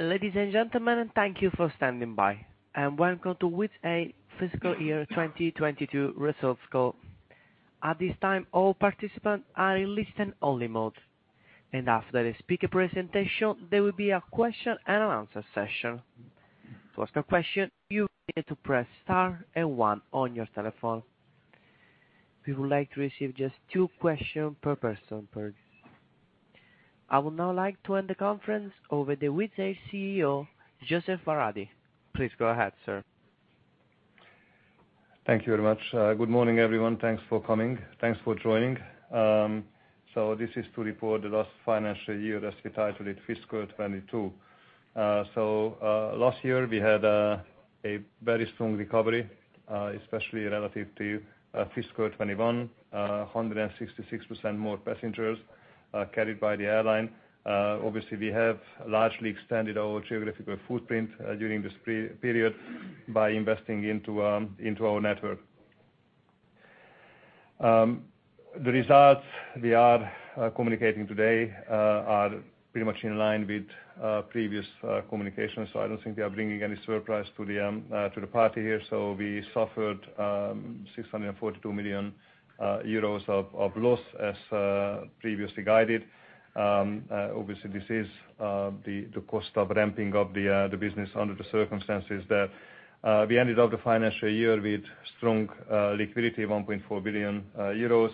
Ladies and gentlemen, thank you for standing by, and welcome to Wizz Air fiscal year 2022 results call. At this time, all participants are in listen-only mode, and after the speaker presentation there will be a question and answer session. To ask a question, you need to press star one on your telephone. We would like to receive just two questions per person, please. I would now like to hand the conference over to Wizz Air CEO, József Váradi. Please go ahead, sir. Thank you very much. Good morning, everyone. Thanks for coming. Thanks for joining. This is to report the last financial year as we titled it Fiscal 2022. Last year we had a very strong recovery, especially relative to fiscal 2021. 166% more passengers carried by the airline. Obviously we have largely expanded our geographical footprint during this period by investing into our network. The results we are communicating today are pretty much in line with previous communications. I don't think we are bringing any surprise to the party here. We suffered 642 million euros of loss as previously guided. Obviously this is the cost of ramping up the business under the circumstances that we ended out the financial year with strong liquidity, 1.4 billion euros.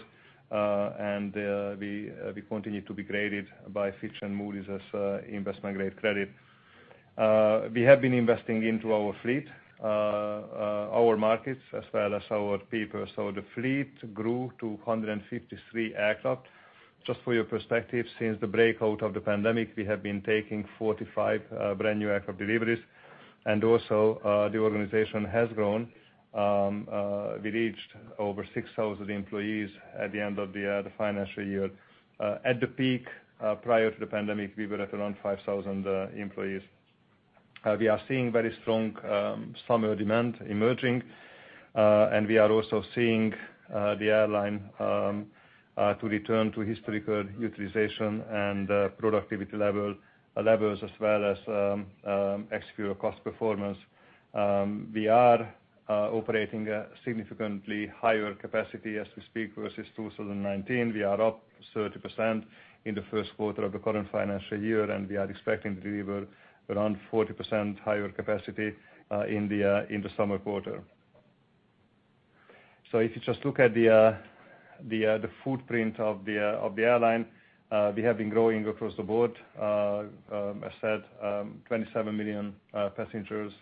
We continue to be graded by Fitch and Moody's as investment-grade credit. We have been investing into our fleet, our markets, as well as our people. The fleet grew to 153 aircraft. Just for your perspective, since the outbreak of the pandemic we have been taking 45 brand new aircraft deliveries. The organization has grown. We reached over 6,000 employees at the end of the financial year. At the peak prior to the pandemic, we were at around 5,000 employees. We are seeing very strong summer demand emerging, and we are also seeing the airline to return to historical utilization and productivity levels as well as execute our cost performance. We are operating a significantly higher capacity as we speak versus 2019. We are up 30% in the first quarter of the current financial year, and we are expecting to deliver around 40% higher capacity in the summer quarter. If you just look at the footprint of the airline, we have been growing across the board. I said 27 million passengers,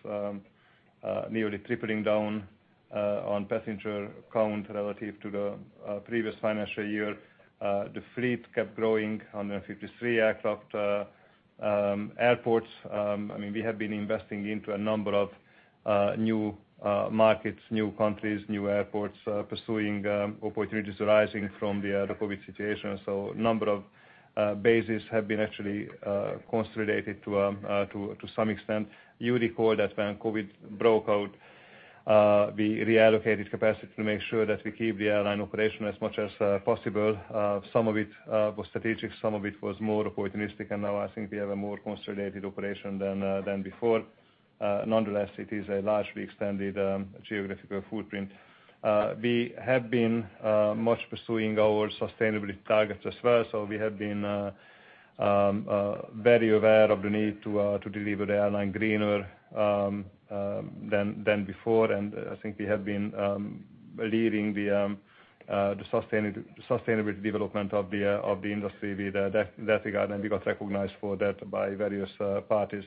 nearly tripling down on passenger count relative to the previous financial year. The fleet kept growing on the 53 aircraft, airports. I mean, we have been investing into a number of new markets, new countries, new airports. Pursuing opportunities arising from the COVID situation. Number of bases have been actually consolidated to some extent. You recall that when COVID broke out, we reallocated capacity to make sure that we keep the airline operation as much as possible. Some of it was strategic, some of it was more opportunistic, and now I think we have a more consolidated operation than before. Nonetheless, it is a largely extended geographical footprint. We have been much pursuing our sustainability targets as well. We have been very aware of the need to deliver the airline greener than before. I think we have been leading the sustainable development of the industry with that regard, and we got recognized for that by various parties.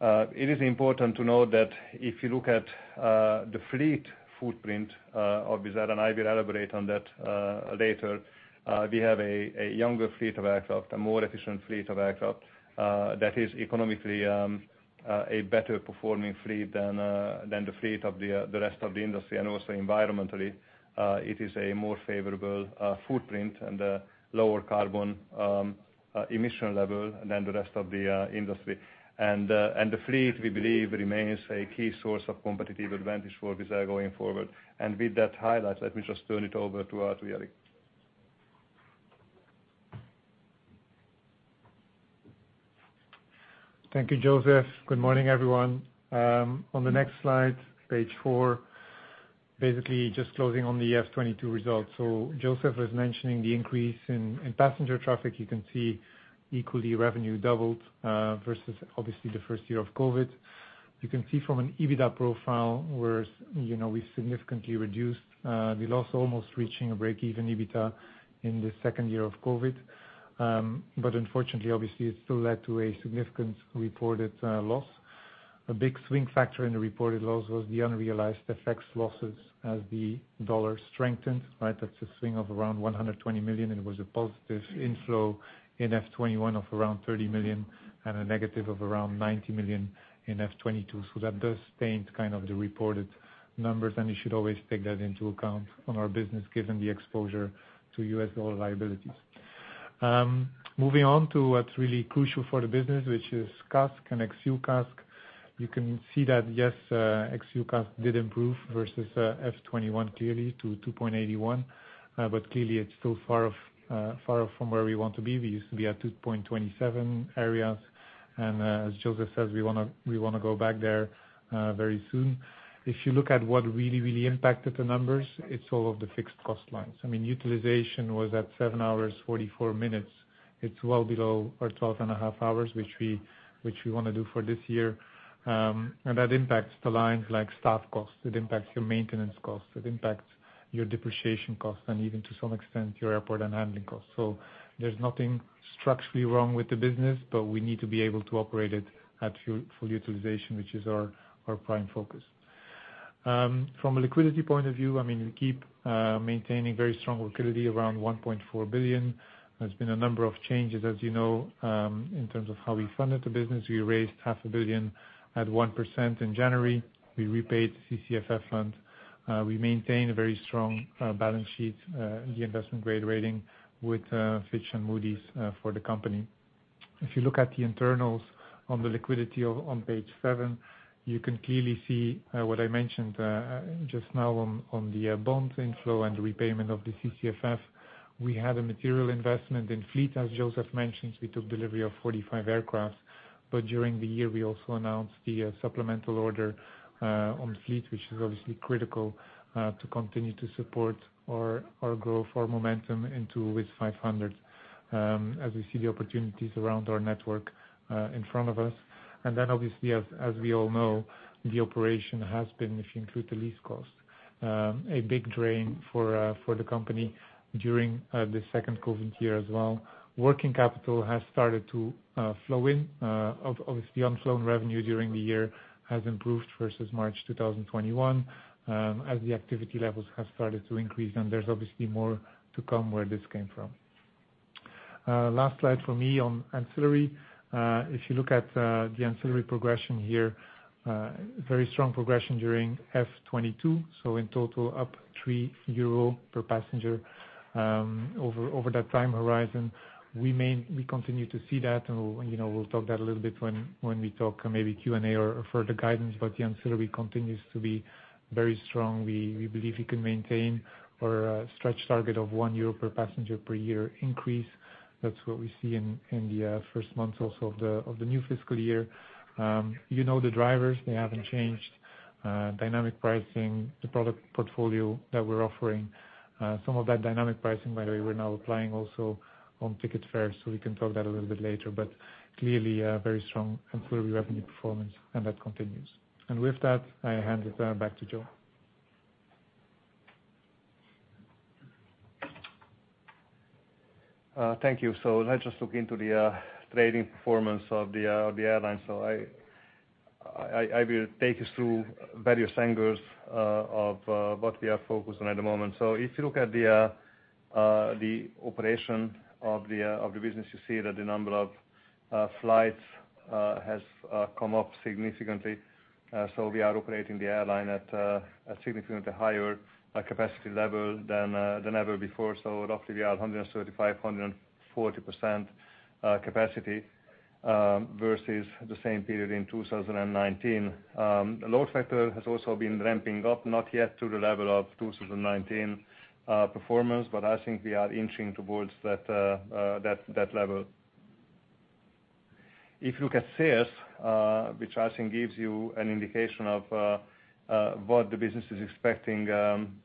It is important to note that if you look at the fleet footprint of Wizz Air, and I will elaborate on that later, we have a younger fleet of aircraft, a more efficient fleet of aircraft that is economically a better performing fleet than the fleet of the rest of the industry. Also environmentally, it is a more favorable footprint and a lower carbon emission level than the rest of the industry. The fleet, we believe remains a key source of competitive advantage for Wizz Air going forward. With that highlight, let me just turn it over to Iain. Thank you, József. Good morning, everyone. On the next slide, page four, basically just closing on the FY 2022 results. József was mentioning the increase in passenger traffic. You can see equally revenue doubled versus obviously the first year of COVID. You can see from an EBITDA profile where, you know, we significantly reduced the loss almost reaching a break-even EBITDA in the second year of COVID. Unfortunately, obviously it still led to a significant reported loss. A big swing factor in the reported loss was the unrealized FX losses as the U.S. dollar strengthened, right. That's a swing of around 120 million, and it was a positive inflow in FY 2021 of around 30 million and a negative of around 90 million in FY 2022. That does taint kind of the reported numbers, and you should always take that into account in our business given the exposure to U.S. dollar liabilities. Moving on to what's really crucial for the business, which is CASK and ex-fuel CASK, you can see that ex-fuel CASK did improve versus FY 2021 clearly to 2.81. But clearly it's still far off from where we want to be. We used to be at 2.27 area. As József says, we wanna go back there very soon. If you look at what really impacted the numbers, it's all of the fixed cost lines. I mean, utilization was at seven hours 44 minutes. It's well below our 12 and a half hours, which we wanna do for this year. That impacts the lines like staff costs, it impacts your maintenance costs, it impacts your depreciation costs, and even to some extent your airport and handling costs. There's nothing structurally wrong with the business, but we need to be able to operate it at full utilization, which is our prime focus. From a liquidity point of view, I mean, we keep maintaining very strong liquidity around 1.4 billion. There's been a number of changes, as you know, in terms of how we funded the business. We raised EUR half a billion at 1% in January. We repaid CCFF fund. We maintain a very strong balance sheet, the investment grade rating with Fitch and Moody's, for the company. If you look at the internals on the liquidity on page seven, you can clearly see what I mentioned just now on the bond inflow and repayment of the CCFF. We had a material investment in fleet, as József mentioned. We took delivery of 45 aircraft. During the year, we also announced the supplemental order on fleet, which is obviously critical to continue to support our growth, our momentum into Wizz 500, as we see the opportunities around our network in front of us. Obviously, as we all know, the operation has been, if you include the lease cost, a big drain for the company during the second COVID year as well. Working capital has started to flow in. Obviously, on flow revenue during the year has improved versus March 2021, as the activity levels have started to increase, and there's obviously more to come where this came from. Last slide for me on ancillary. If you look at the ancillary progression here, very strong progression during FY 2022. In total, up 3 euro per passenger over that time horizon. We continue to see that, and we'll, you know, talk that a little bit when we talk maybe Q&A or further guidance. The ancillary continues to be very strong. We believe we can maintain our stretch target of 1 euro per passenger per year increase. That's what we see in the first months also of the new fiscal year. You know the drivers, they haven't changed. Dynamic pricing, the product portfolio that we're offering. Some of that dynamic pricing, by the way, we're now applying also on ticket fares, so we can talk that a little bit later. Clearly, a very strong ancillary revenue performance, and that continues. With that, I hand it back to Joe. Thank you. Let's just look into the trading performance of the airline. I will take us through various angles of what we are focused on at the moment. If you look at the operation of the business, you see that the number of flights has come up significantly. We are operating the airline at a significantly higher capacity level than ever before. Roughly we are 135%-140% capacity versus the same period in 2019. Load factor has also been ramping up, not yet to the level of 2019 performance, but I think we are inching towards that level. If you look at sales, which I think gives you an indication of what the business is expecting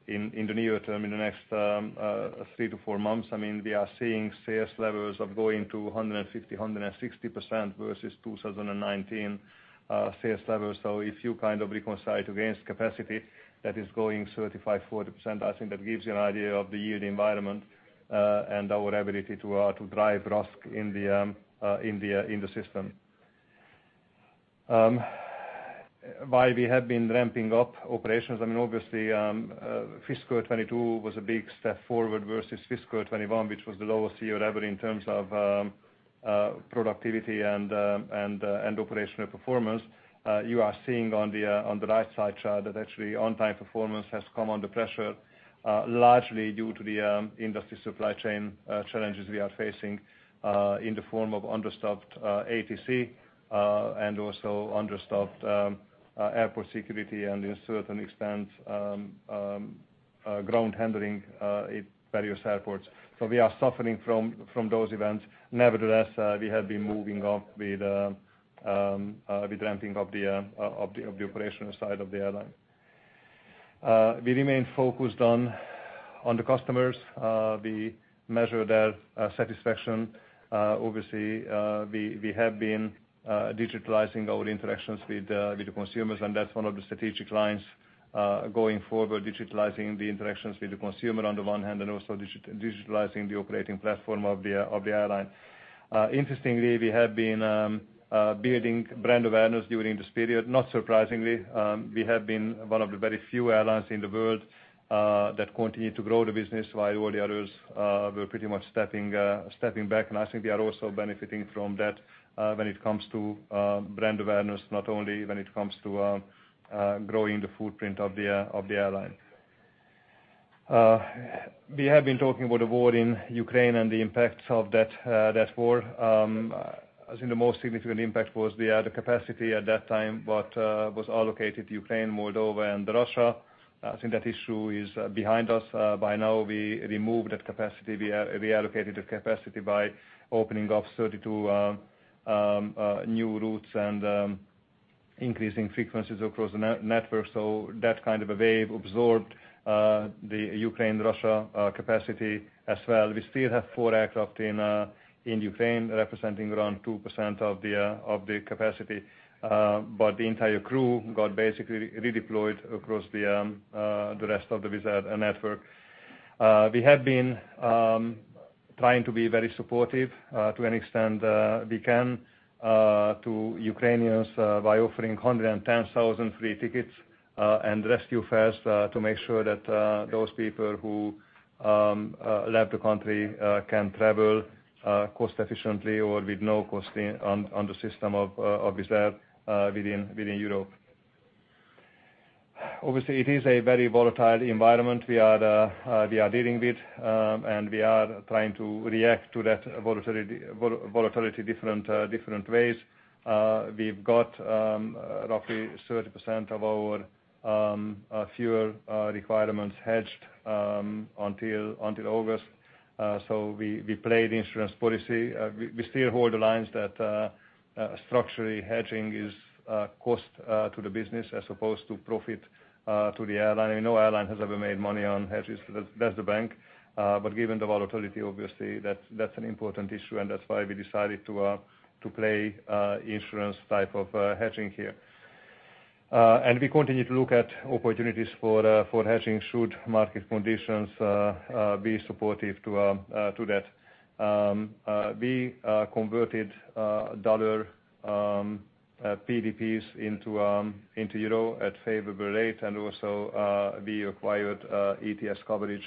in the near term, in the next three to four months, I mean, we are seeing sales levels of going to 150%-160% versus 2019 sales levels. If you kind of reconcile it against capacity that is going 35%-40%, I think that gives you an idea of the yield environment and our ability to drive RASK in the system. While we have been ramping up operations, I mean, obviously, fiscal 2022 was a big step forward versus fiscal 2021, which was the lowest year ever in terms of productivity and operational performance. You are seeing on the right side chart that actually on-time performance has come under pressure, largely due to the industry supply chain challenges we are facing in the form of understaffed ATC and also understaffed ground handling at various airports. We are suffering from those events. Nevertheless, we have been moving up with ramping of the operational side of the airline. We remain focused on the customers. We measure their satisfaction. Obviously, we have been digitalizing our interactions with the consumers, and that's one of the strategic lines going forward, digitalizing the interactions with the consumer on the one hand, and also digitalizing the operating platform of the airline. Interestingly, we have been building brand awareness during this period. Not surprisingly, we have been one of the very few airlines in the world that continue to grow the business while all the others were pretty much stepping back. I think we are also benefiting from that when it comes to brand awareness, not only when it comes to growing the footprint of the airline. We have been talking about the war in Ukraine and the impacts of that war. I think the most significant impact was the added capacity at that time, but was allocated to Ukraine, Moldova, and Russia. I think that issue is behind us. By now we removed that capacity. We reallocated the capacity by opening up 32 new routes and increasing frequencies across the network. That kind of a wave absorbed the Ukraine-Russia capacity as well. We still have four aircraft in Ukraine representing around 2% of the capacity, but the entire crew got basically redeployed across the rest of the Wizz Air network. We have been trying to be very supportive to any extent we can to Ukrainians by offering 110,000 free tickets and rescue fares to make sure that those people who left the country can travel cost efficiently or with no cost on the system of Wizz Air within Europe. Obviously, it is a very volatile environment we are dealing with, and we are trying to react to that volatility in different ways. We've got roughly 30% of our fuel requirements hedged until August. We play the insurance policy. We still hold the lines that structurally hedging is cost to the business as opposed to profit to the airline. I mean, no airline has ever made money on hedges. That's the bank. Given the volatility, obviously, that's an important issue, and that's why we decided to play insurance type of hedging here. We continue to look at opportunities for hedging should market conditions be supportive to that. We converted dollar PDPs into euro at favorable rate and also we acquired ETS coverage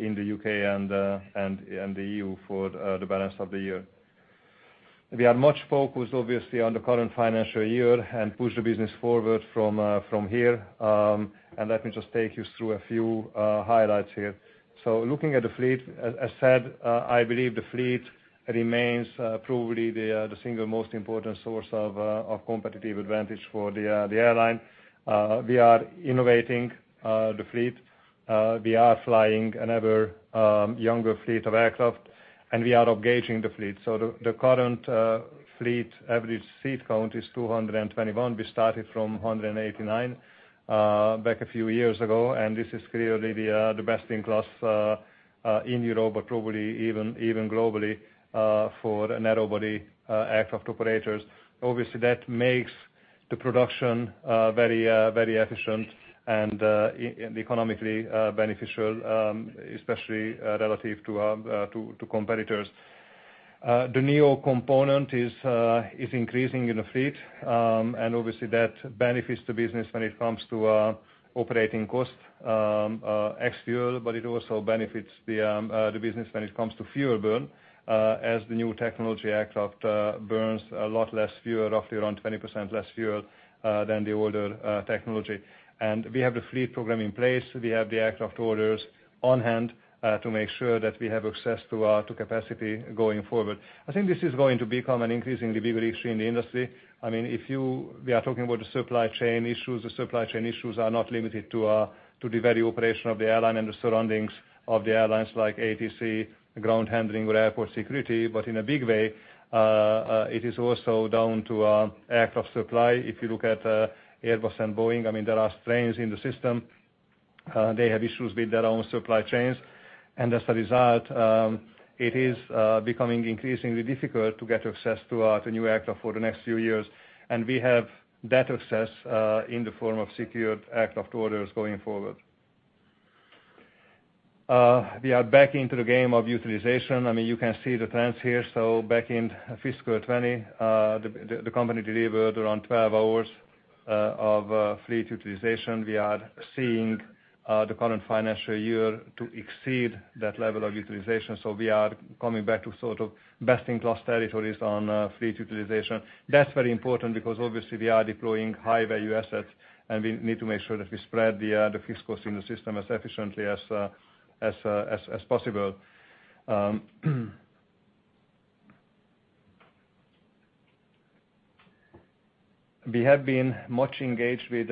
in the U.K. and the EU for the balance of the year. We are much focused, obviously, on the current financial year and push the business forward from here. Let me just take you through a few highlights here. Looking at the fleet, I believe the fleet remains probably the single most important source of competitive advantage for the airline. We are innovating the fleet. We are flying an ever younger fleet of aircraft, and we are expanding the fleet. The current fleet average seat count is 221. We started from 189 back a few years ago, and this is clearly the best-in-class in Europe, but probably even globally, for narrow-body aircraft operators. Obviously, that makes the production very efficient and economically beneficial, especially relative to competitors. The neo component is increasing in the fleet, and obviously that benefits the business when it comes to operating costs ex fuel, but it also benefits the business when it comes to fuel burn, as the new technology aircraft burns a lot less fuel, roughly around 20% less fuel than the older technology. We have the fleet program in place. We have the aircraft orders on-hand to make sure that we have access to capacity going forward. I think this is going to become an increasingly bigger issue in the industry. I mean, we are talking about the supply chain issues, which are not limited to the very operation of the airline and the surroundings of the airlines like ATC, ground handling with airport security. In a big way, it is also down to aircraft supply. If you look at Airbus and Boeing, I mean, there are strains in the system. They have issues with their own supply chains. As a result, it is becoming increasingly difficult to get access to a new aircraft for the next few years. We have that access in the form of secured aircraft orders going forward. We are back into the game of utilization. I mean, you can see the trends here. Back in fiscal 2020, the company delivered around 12 hours of fleet utilization. We are seeing the current financial year to exceed that level of utilization. We are coming back to sort of best-in-class territories on fleet utilization. That's very important because obviously we are deploying high-value assets, and we need to make sure that we spread the fixed cost in the system as efficiently as possible. We have been much engaged with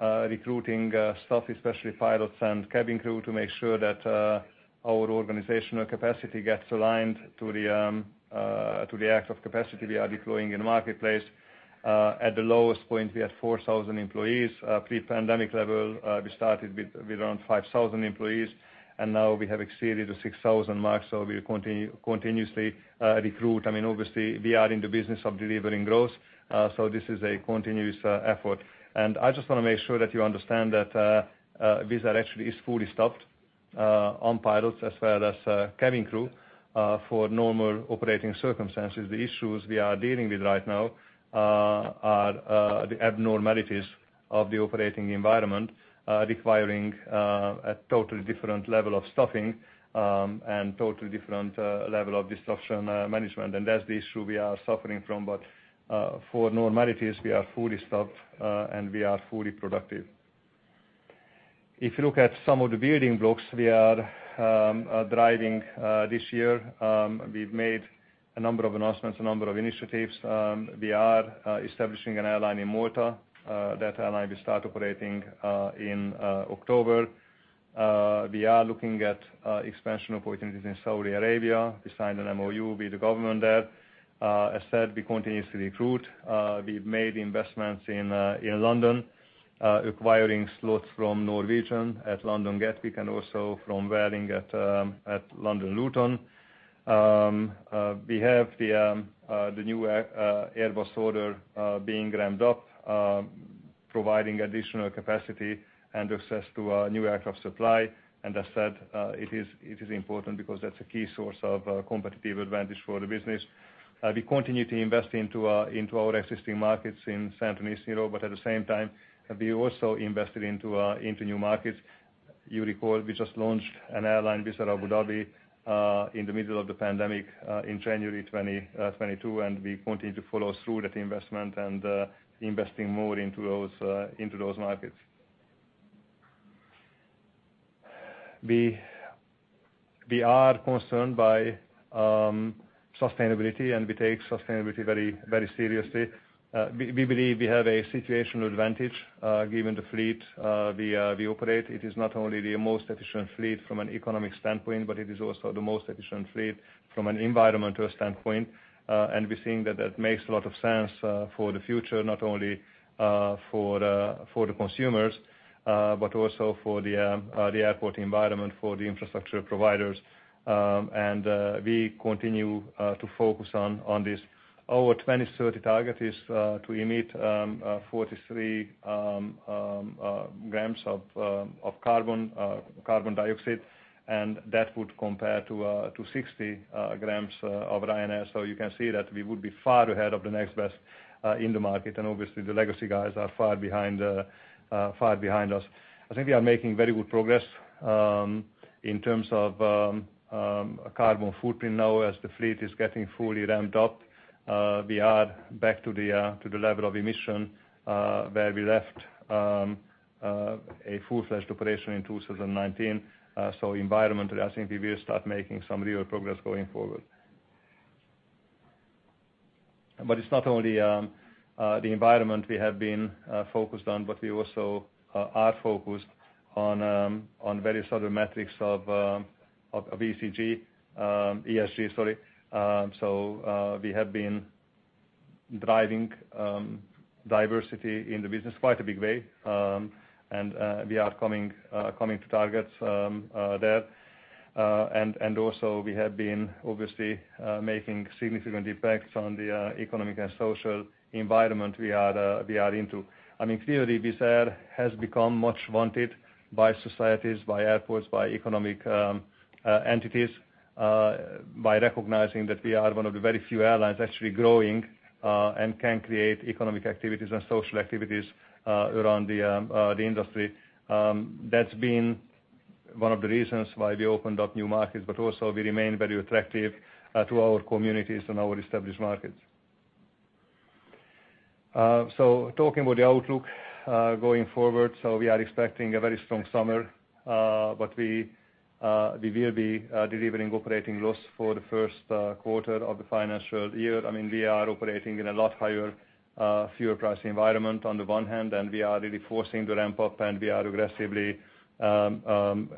recruiting staff, especially pilots and cabin crew, to make sure that our organizational capacity gets aligned to the actual capacity we are deploying in the marketplace. At the lowest point, we had 4,000 employees. pre-pandemic level, we started with around 5,000 employees, and now we have exceeded the 6,000 mark. We continuously recruit. I mean, obviously we are in the business of delivering growth, so this is a continuous effort. I just wanna make sure that you understand that Wizz Air actually is fully staffed on pilots as well as cabin crew for normal operating circumstances. The issues we are dealing with right now are the abnormalities of the operating environment requiring a totally different level of staffing and totally different level of disruption management. That's the issue we are suffering from. For normalities, we are fully staffed and we are fully productive. If you look at some of the building blocks we are driving this year, we've made a number of announcements, a number of initiatives. We are establishing an airline in Malta, that airline will start operating in October. We are looking at expansion opportunities in Saudi Arabia. We signed an MOU with the government there. As said, we continue to recruit. We've made investments in London, acquiring slots from Norwegian at London Gatwick and also from Vueling at London Luton. We have the new Airbus order being ramped up, providing additional capacity and access to a new aircraft supply. As said, it is important because that's a key source of competitive advantage for the business. We continue to invest into our existing markets in CEE and Europe, but at the same time, we also invested into new markets. You recall, we just launched an airline, Wizz Air Abu Dhabi, in the middle of the pandemic, in January 2022, and we continue to follow through that investment and investing more into those markets. We are concerned by sustainability, and we take sustainability very, very seriously. We believe we have a situational advantage given the fleet we operate. It is not only the most efficient fleet from an economic standpoint, but it is also the most efficient fleet from an environmental standpoint. We're seeing that makes a lot of sense for the future, not only for the consumers, but also for the airport environment, for the infrastructure providers. We continue to focus on this. Our 2030 target is to emit 43 g of carbon dioxide, and that would compare to 60 g of Ryanair's. You can see that we would be far ahead of the next best in the market. Obviously the legacy guys are far behind us. I think we are making very good progress in terms of carbon footprint now as the fleet is getting fully ramped up. We are back to the level of emission where we left a full-fledged operation in 2019. Environmentally, I think we will start making some real progress going forward. It's not only the environment we have been focused on, but we also are focused on various other metrics of ESG, sorry. We have been driving diversity in the business quite a big way. We are coming to targets there. Also we have been obviously making significant efforts on the economic and social environment we are into. I mean, clearly Wizz Air has become much wanted by societies, by airports, by economic entities, by recognizing that we are one of the very few airlines actually growing and can create economic activities and social activities around the industry. That's been one of the reasons why we opened up new markets, but also we remain very attractive to our communities and our established markets. Talking about the outlook going forward, we are expecting a very strong summer, but we will be delivering operating loss for the first quarter of the financial year. I mean, we are operating in a lot higher fuel price environment on the one hand, and we are really forcing the ramp up, and we are aggressively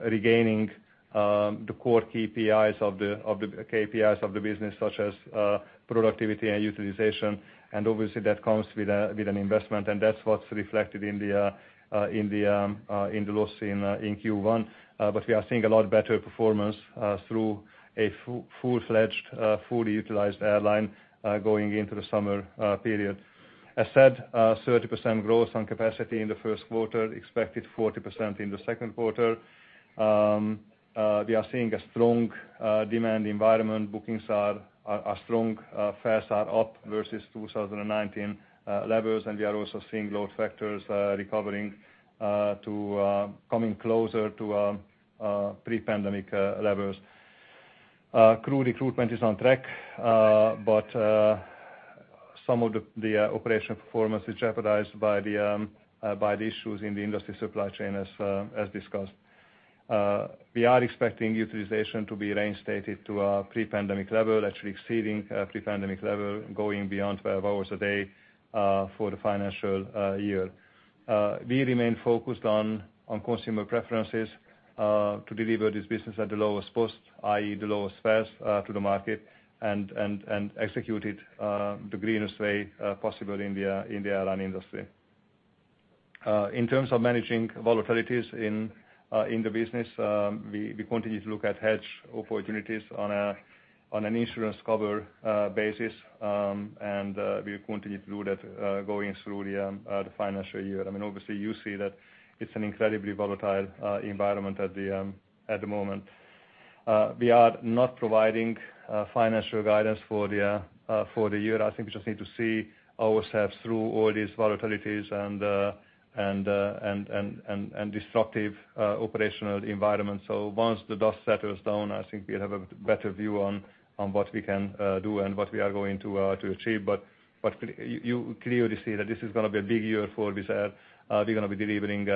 regaining the core KPIs of the business, such as productivity and utilization. Obviously that comes with an investment, and that's what's reflected in the loss in Q1. We are seeing a lot better performance through a fully utilized airline going into the summer period. As said, 30% growth on capacity in the first quarter, expected 40% in the second quarter. We are seeing a strong demand environment. Bookings are strong. Fares are up versus 2019 levels, and we are also seeing load factors recovering to coming closer to pre-pandemic levels. Crew recruitment is on track, but some of the operation performance is jeopardized by the issues in the industry supply chain as discussed. We are expecting utilization to be reinstated to our pre-pandemic level, actually exceeding pre-pandemic level, going beyond 12 hours a day for the financial year. We remain focused on consumer preferences to deliver this business at the lowest cost, i.e., the lowest fares to the market and execute it the greenest way possible in the airline industry. In terms of managing volatilities in the business, we continue to look at hedge opportunities on an insurance cover basis, and we continue to do that going through the financial year. I mean, obviously you see that it's an incredibly volatile environment at the moment. We are not providing financial guidance for the year. I think we just need to see ourselves through all these volatilities and disruptive operational environment. Once the dust settles down, I think we'll have a better view on what we can do and what we are going to achieve. You clearly see that this is gonna be a big year for Wizz Air. We're gonna be delivering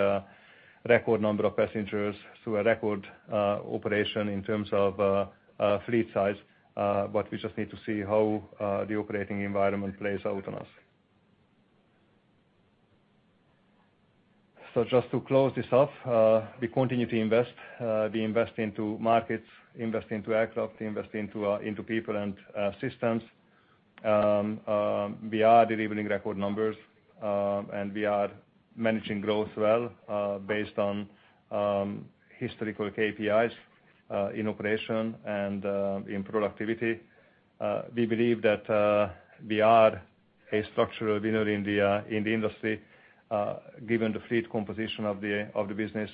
a record number of passengers through a record operation in terms of fleet size. We just need to see how the operating environment plays out on us. Just to close this off, we continue to invest into markets, invest into aircraft, invest into people and systems. We are delivering record numbers, and we are managing growth well based on historical KPIs in operation and in productivity. We believe that we are a structural winner in the industry, given the fleet composition of the business,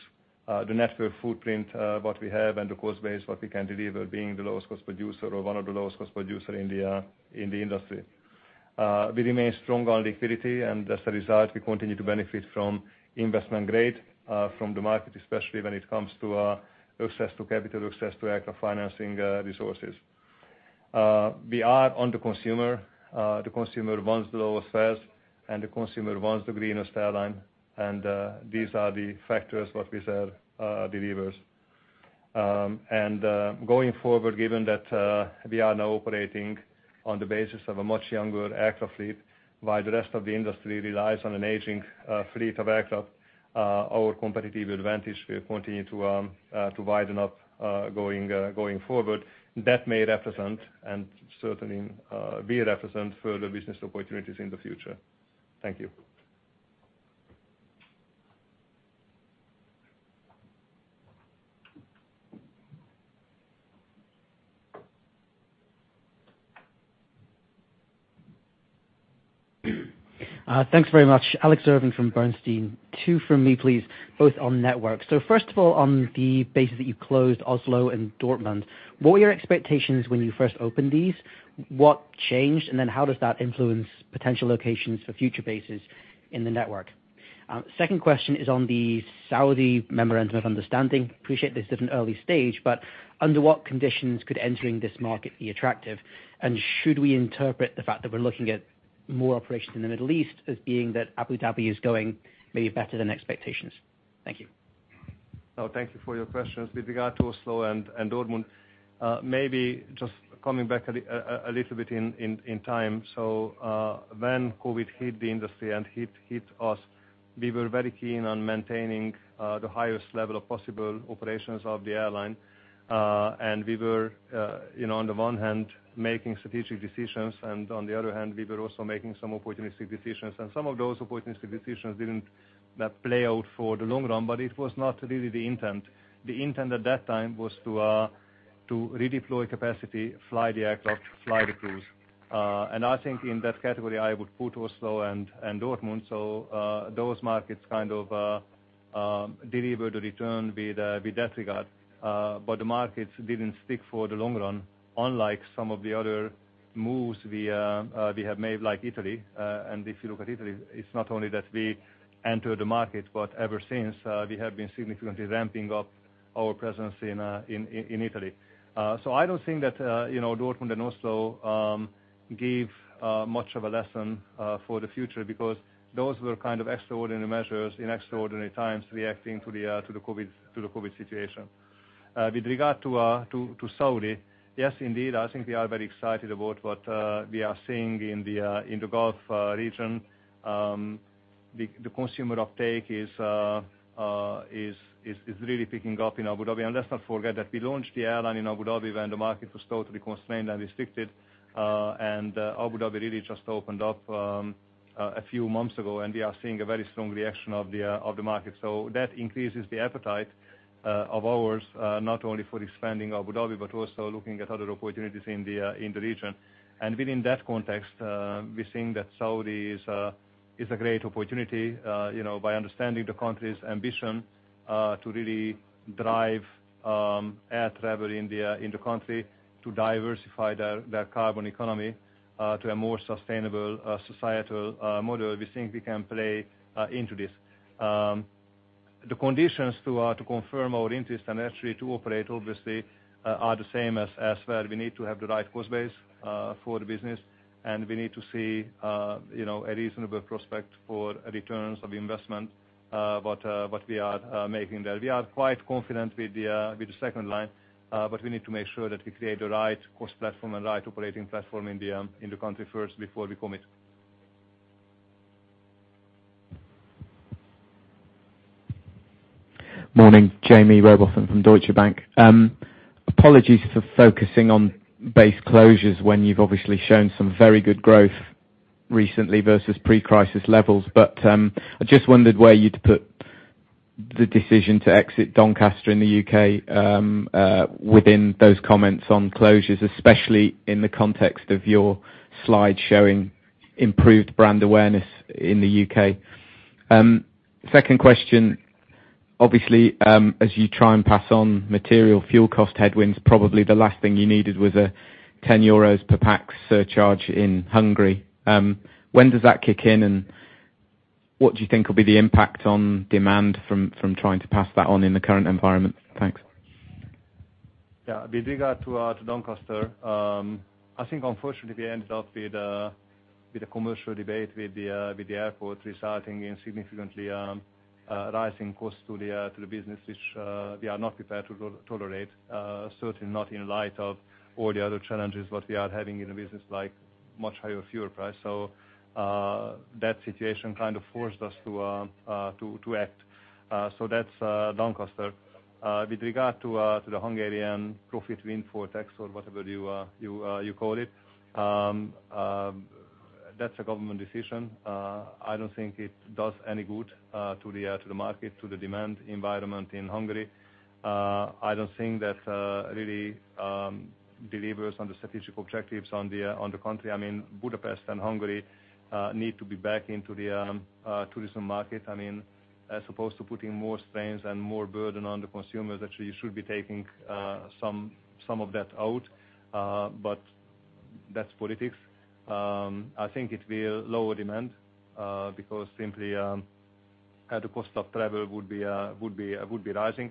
the network footprint, what we have and the cost base, what we can deliver being the lowest cost producer or one of the lowest cost producer in the industry. We remain strong on liquidity, and as a result, we continue to benefit from investment grade from the market, especially when it comes to access to capital, access to aircraft financing, resources. We are on the consumer. The consumer wants the lowest fares, and the consumer wants the greenest airline, and these are the factors what we said delivers. Going forward, given that we are now operating on the basis of a much younger aircraft fleet while the rest of the industry relies on an aging fleet of aircraft, our competitive advantage will continue to widen up going forward. That may represent, and certainly will represent, further business opportunities in the future. Thank you. Thanks very much. Alex Irving from Bernstein. Two from me, please, both on networks. First of all, on the bases that you closed Oslo and Dortmund, what were your expectations when you first opened these? What changed, and then how does that influence potential locations for future bases in the network? Second question is on the Saudi Memorandum of Understanding. Appreciate this is an early stage, but under what conditions could entering this market be attractive? And should we interpret the fact that we're looking at more operations in the Middle East as being that Abu Dhabi is going maybe better than expectations? Thank you. Thank you for your questions. With regard to Oslo and Dortmund, maybe just coming back a little bit in time. When COVID hit the industry and hit us, we were very keen on maintaining the highest level of possible operations of the airline. We were, you know, on the one hand, making strategic decisions, and on the other hand, we were also making some opportunistic decisions. Some of those opportunistic decisions didn't play out for the long run, but it was not really the intent. The intent at that time was to redeploy capacity, fly the aircraft, fly the crews. I think in that category, I would put Oslo and Dortmund. Those markets kind of delivered a return with that regard. The markets didn't stick for the long run, unlike some of the other moves we have made like Italy. If you look at Italy, it's not only that we entered the market, but ever since, we have been significantly ramping up our presence in Italy. I don't think that, you know, Dortmund and Oslo gave much of a lesson for the future because those were kind of extraordinary measures in extraordinary times reacting to the COVID situation. With regard to Saudi, yes, indeed. I think we are very excited about what we are seeing in the Gulf region. The consumer uptake is really picking up in Abu Dhabi. Let's not forget that we launched the airline in Abu Dhabi when the market was totally constrained and restricted, and Abu Dhabi really just opened up a few months ago, and we are seeing a very strong reaction of the market. That increases the appetite of ours, not only for expanding Abu Dhabi, but also looking at other opportunities in the region. Within that context, we're seeing that Saudi is a great opportunity, you know, by understanding the country's ambition to really drive air travel in the country to diversify their carbon economy to a more sustainable societal model. We think we can play into this. The conditions to confirm our interest and actually to operate, obviously, are the same as well. We need to have the right cost base for the business, and we need to see, you know, a reasonable prospect for returns of investment, what we are making there. We are quite confident with the second line, but we need to make sure that we create the right cost platform and right operating platform in the country first before we commit. Morning, Jaime Bann Rowbotham from Deutsche Bank. Apologies for focusing on base closures when you've obviously shown some very good growth recently versus pre-crisis levels. I just wondered where you'd put the decision to exit Doncaster in the U.K., within those comments on closures, especially in the context of your slide showing improved brand awareness in the U.K. Second question, obviously, as you try and pass on material fuel cost headwinds, probably the last thing you needed was a 10 euros per pax surcharge in Hungary. When does that kick in, and what do you think will be the impact on demand from trying to pass that on in the current environment? Thanks. With regard to Doncaster, I think unfortunately we ended up with the commercial debate with the airport resulting in significantly rising costs to the business, which we are not prepared to tolerate, certainly not in light of all the other challenges that we are having in the business, like much higher fuel price. That situation kind of forced us to act. That's Doncaster. With regard to the Hungarian profit windfall tax or whatever you call it, that's a government decision. I don't think it does any good to the market, to the demand environment in Hungary. I don't think that really delivers on the strategic objectives on the country. I mean, Budapest and Hungary need to be back into the tourism market. I mean, as opposed to putting more strains and more burden on the consumers, actually you should be taking some of that out, but that's politics. I think it will lower demand because simply the cost of travel would be rising.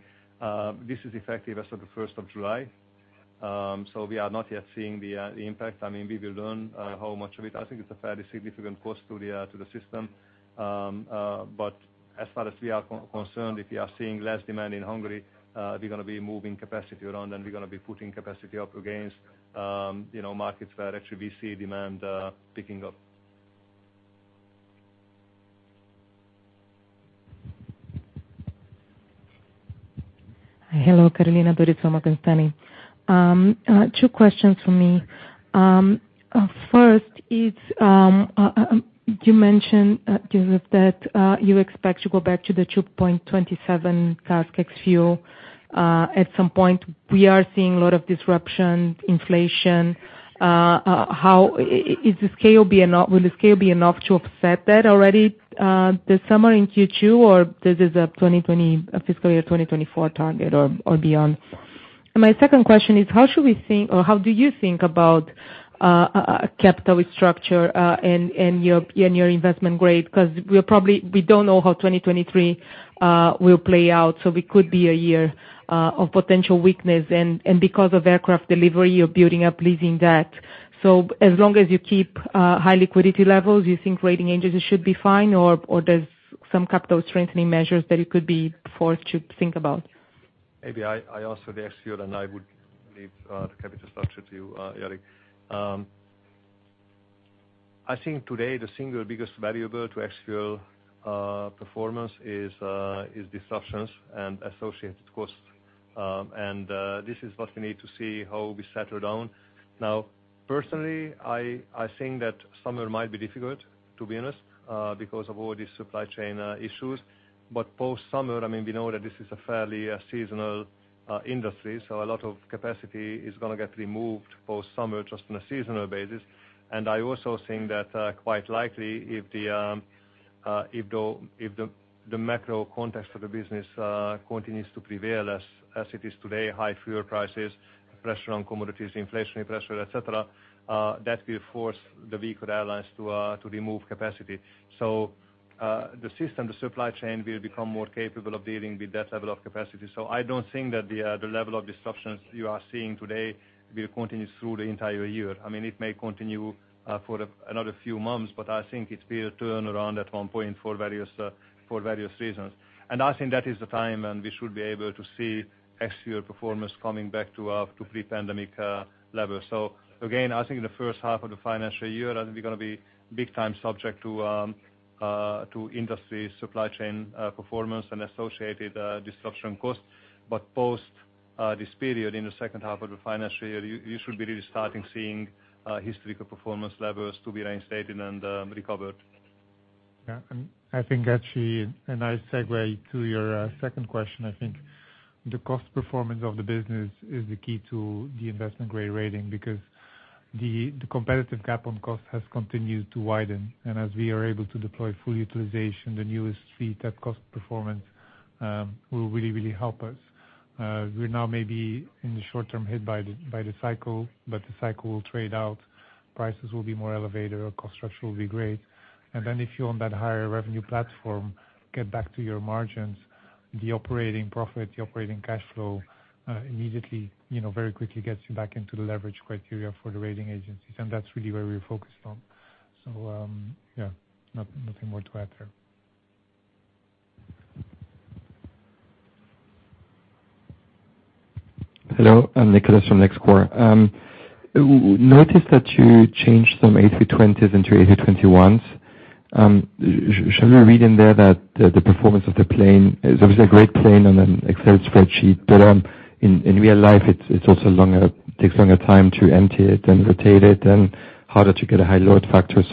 This is effective as of the first of July, so we are not yet seeing the impact. I mean, we will learn how much of it. I think it's a fairly significant cost to the system. As far as we are concerned, if we are seeing less demand in Hungary, we're gonna be moving capacity around, and we're gonna be putting capacity up against, you know, markets where actually we see demand picking up. Hello, Carolina Dores. Two questions from me. First is, you mentioned, József Váradi, that you expect to go back to the 2.27 CASK ex-fuel at some point. We are seeing a lot of disruption, inflation. Will the scale be enough to offset that already this summer in Q2, or this is a 2020 fiscal year 2024 target or beyond? My second question is, how should we think or how do you think about capital structure in your investment grade? Because we are probably we don't know how 2023 will play out, so we could be a year of potential weakness, and because of aircraft delivery, you're building up leasing debt. As long as you keep high liquidity levels, you think rating agencies should be fine, or there's some capital strengthening measures that you could be forced to think about? Maybe I answer the ex-fuel, and I would leave the capital structure to you, Iain Wetherall. I think today the single biggest variable to ex-fuel performance is disruptions and associated costs. This is what we need to see how we settle down. Personally, I think that summer might be difficult, to be honest, because of all these supply chain issues. Post-summer, I mean, we know that this is a fairly seasonal industry, so a lot of capacity is gonna get removed post-summer just on a seasonal basis. I also think that quite likely if the macro context of the business continues to prevail as it is today, high fuel prices, pressure on commodities, inflationary pressure, et cetera, that will force the weaker airlines to remove capacity. The system, the supply chain will become more capable of dealing with that level of capacity. I don't think that the level of disruptions you are seeing today will continue through the entire year. I mean, it may continue for another few months, but I think it will turn around at one point for various reasons. I think that is the time when we should be able to see ex-fuel performance coming back to pre-pandemic levels. Again, I think in the first half of the financial year, we're gonna be big time subject to the industry supply chain performance and associated disruption costs. Post this period in the second half of the financial year, you should be really starting seeing historical performance levels to be reinstated and recovered. Yeah. I think actually a nice segue to your second question. I think the cost performance of the business is the key to the investment-grade rating because the competitive gap on cost has continued to widen. As we are able to deploy full utilization, the newest fleet at cost performance will really help us. We're now maybe in the short term hit by the cycle, but the cycle will trade out, prices will be more elevated, our cost structure will be great. Then if you're on that higher revenue platform, get back to your margins, the operating profit, the operating cash flow immediately, you know, very quickly gets you back into the leverage criteria for the rating agencies. That's really where we're focused on. Yeah, nothing more to add there. Hello, I'm Neil Glynn from HSBC. We noticed that you changed some A320s into A321s. Shall we read in there that the performance of the plane is obviously a great plane on an Excel spreadsheet, but in real life, it's also longer, takes longer time to empty it and rotate it and harder to get a high load factor.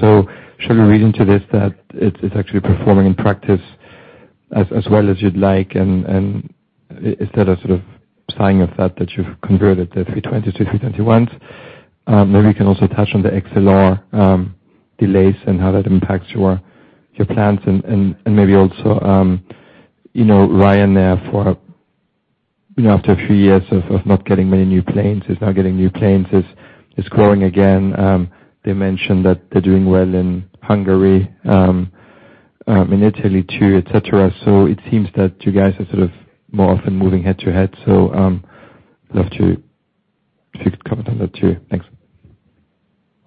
Shall we read into this that it's actually performing in practice as well as you'd like and is that a sort of sign of that that you've converted the A320s to A321s? Maybe you can also touch on the XLR delays and how that impacts your plans and maybe also you know, Ryanair for you know, after a few years of not getting many new planes is now getting new planes, is growing again. They mentioned that they're doing well in Hungary. In Italy too, et cetera. It seems that you guys are sort of more often moving head to head. If you could comment on that too. Thanks.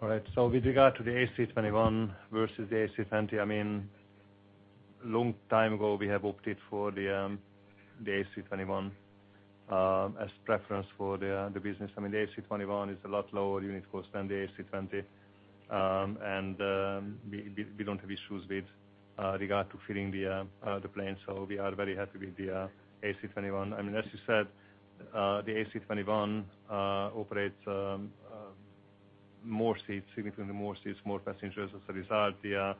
All right. With regard to the A321 versus the A320, I mean, a long time ago we have opted for the A321 as preference for the business. I mean, the A321 is a lot lower unit cost than the A320. We don't have issues with regard to filling the plane. We are very happy with the A321. I mean, as you said, the A321 operates more seats, significantly more seats, more passengers. As a result, the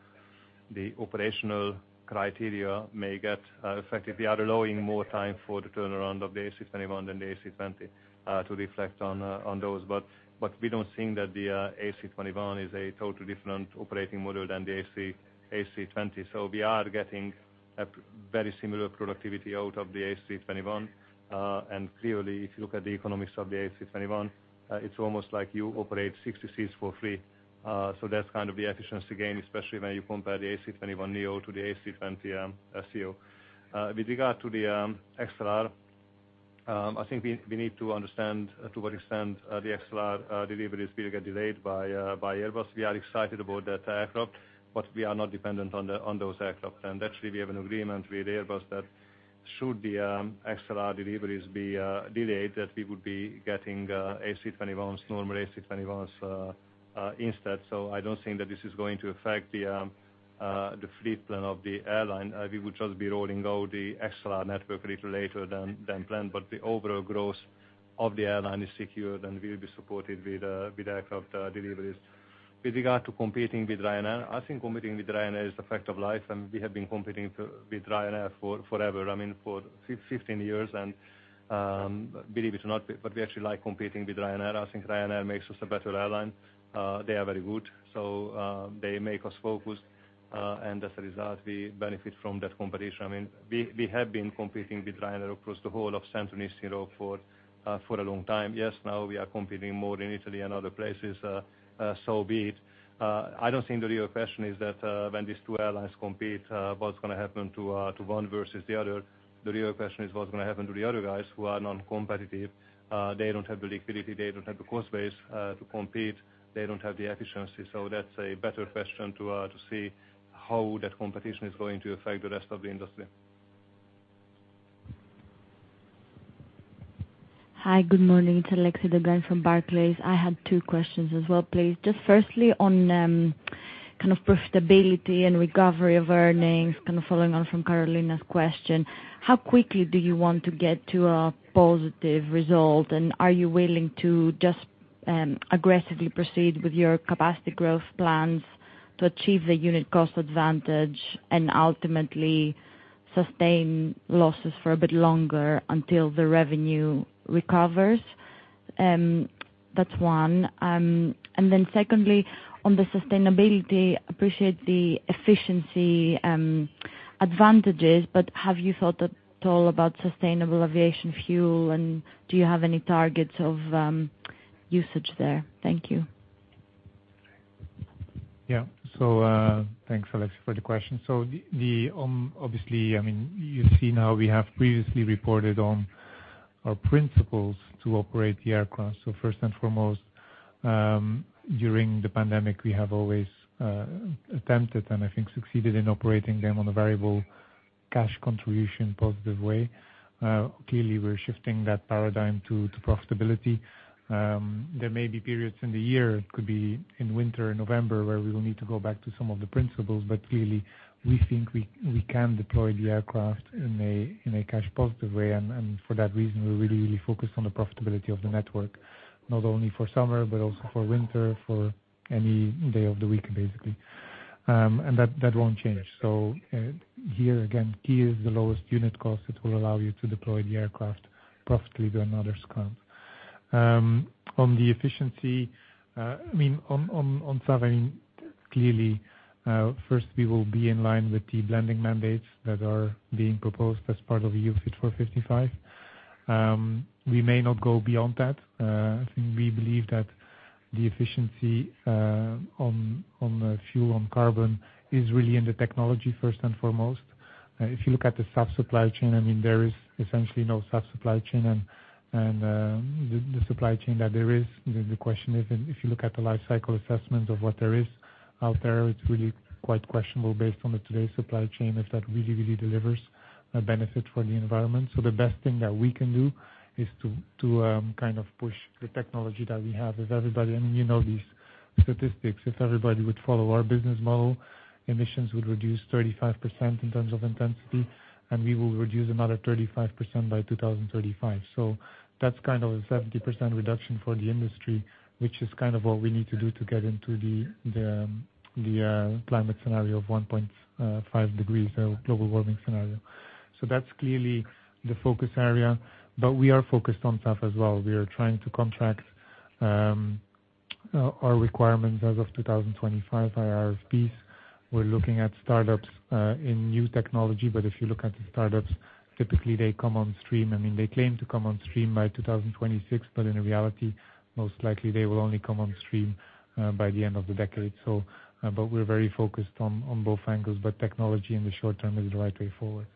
operational criteria may get affected. We are allowing more time for the turnaround of the A321 than the A320 to reflect on those. We don't think that the A321 is a totally different operating model than the A320. We are getting a very similar productivity out of the A321. Clearly, if you look at the economics of the A321, it's almost like you operate 60 seats for free. That's kind of the efficiency gain, especially when you compare the A321neo to the A320ceo. With regard to the XLR, I think we need to understand to what extent the XLR deliveries will get delayed by Airbus. We are excited about that aircraft, but we are not dependent on those aircraft. Actually, we have an agreement with Airbus that should the XLR deliveries be delayed, that we would be getting A321s, normal A321s, instead. I don't think that this is going to affect the fleet plan of the airline. We would just be rolling out the XLR network a little later than planned. The overall growth of the airline is secured, and we will be supported with aircraft deliveries. With regard to competing with Ryanair, I think competing with Ryanair is a fact of life, and we have been competing with Ryanair for forever, I mean, for 15 years. Believe it or not, but we actually like competing with Ryanair. I think Ryanair makes us a better airline. They are very good. They make us focus, and as a result, we benefit from that competition. I mean, we have been competing with Ryanair across the whole of Central and Eastern Europe for a long time. Yes, now we are competing more in Italy and other places. Be it. I don't think the real question is that, when these two airlines compete, what's gonna happen to one versus the other. The real question is what's gonna happen to the other guys who are non-competitive. They don't have the liquidity, they don't have the cost base to compete. They don't have the efficiency. That's a better question to see how that competition is going to affect the rest of the industry. Hi. Good morning. It's Alexia Dogani from Barclays. I had two questions as well, please. Just firstly on kind of profitability and recovery of earnings. Kind of following on from Carolina Dores's question, how quickly do you want to get to a positive result? Are you willing to just aggressively proceed with your capacity growth plans to achieve the unit cost advantage and ultimately sustain losses for a bit longer until the revenue recovers? That's one. Then secondly, on the sustainability, appreciate the efficiency advantages, but have you thought at all about sustainable aviation fuel, and do you have any targets of usage there? Thank you. Yeah. Thanks, Alexia, for the question. Obviously, I mean, you see now we have previously reported on our principles to operate the aircraft. First and foremost, during the pandemic, we have always attempted and I think succeeded in operating them on a variable cash contribution positive way. Clearly we're shifting that paradigm to profitability. There may be periods in the year, it could be in winter, in November, where we will need to go back to some of the principles. Clearly we think we can deploy the aircraft in a cash positive way. For that reason, we're really focused on the profitability of the network, not only for summer, but also for winter, for any day of the week, basically. That won't change. Here again, key is the lowest unit cost that will allow you to deploy the aircraft profitably where others can't. On SAF, I mean, clearly, first we will be in line with the blending mandates that are being proposed as part of EU Fit for 55. We may not go beyond that. I think we believe that the efficiency on the fuel, on carbon is really in the technology first and foremost. If you look at the SAF supply chain, I mean, there is essentially no SAF supply chain. The supply chain that there is, the question is, if you look at the lifecycle assessment of what there is out there, it's really quite questionable based on today's supply chain, if that really delivers a benefit for the environment. The best thing that we can do is to kind of push the technology that we have. If everybody, I mean, you know these statistics, if everybody would follow our business model, emissions would reduce 35% in terms of intensity, and we will reduce another 35% by 2035. That's kind of a 70% reduction for the industry, which is kind of what we need to do to get into the climate scenario of 1.5 degrees of global warming scenario. That's clearly the focus area. We are focused on SAF as well. We are trying to contract our requirements as of 2025 by RFPs. We're looking at startups in new technology. If you look at the startups, typically they come on stream. I mean, they claim to come on stream by 2026, but in reality, most likely they will only come on stream by the end of the decade. We're very focused on both angles. Technology in the short term is the right way forward.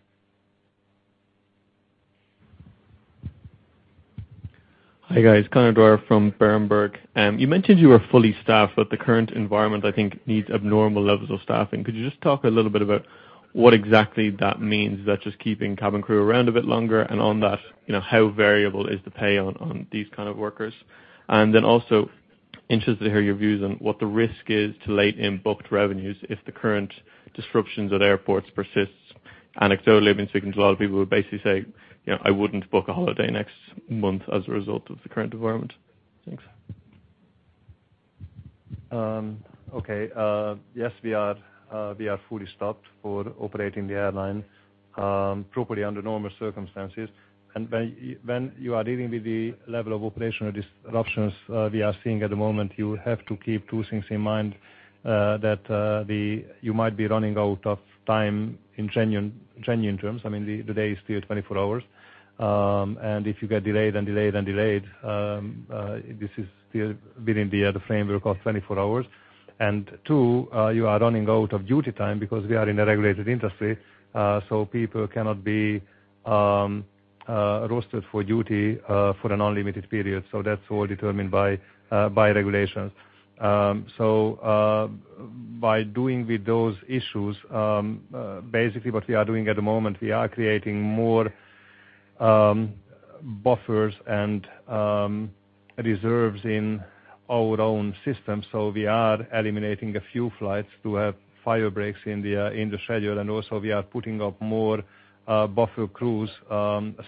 Hi, guys. Conor Dwyer from Berenberg. You mentioned you were fully staffed, but the current environment, I think, needs abnormal levels of staffing. Could you just talk a little bit about what exactly that means? Is that just keeping cabin crew around a bit longer? On that, you know, how variable is the pay on these kind of workers? Also interested to hear your views on what the risk is to late-booked revenues if the current disruptions at airports persists. Anecdotally, I've been speaking to a lot of people who basically say, you know, "I wouldn't book a holiday next month as a result of the current environment." Thanks. Okay. Yes, we are fully staffed for operating the airline properly under normal circumstances. When you are dealing with the level of operational disruptions we are seeing at the moment, you have to keep two things in mind, that you might be running out of time in genuine terms. I mean, the day is still 24 hours. If you get delayed, this is still within the framework of 24 hours. Two, you are running out of duty time because we are in a regulated industry, so people cannot be rostered for duty for an unlimited period. That's all determined by regulations. By dealing with those issues, basically what we are doing at the moment, we are creating more buffers and reserves in our own system. We are eliminating a few flights to have fire breaks in the schedule. Also, we are putting on more buffer crews,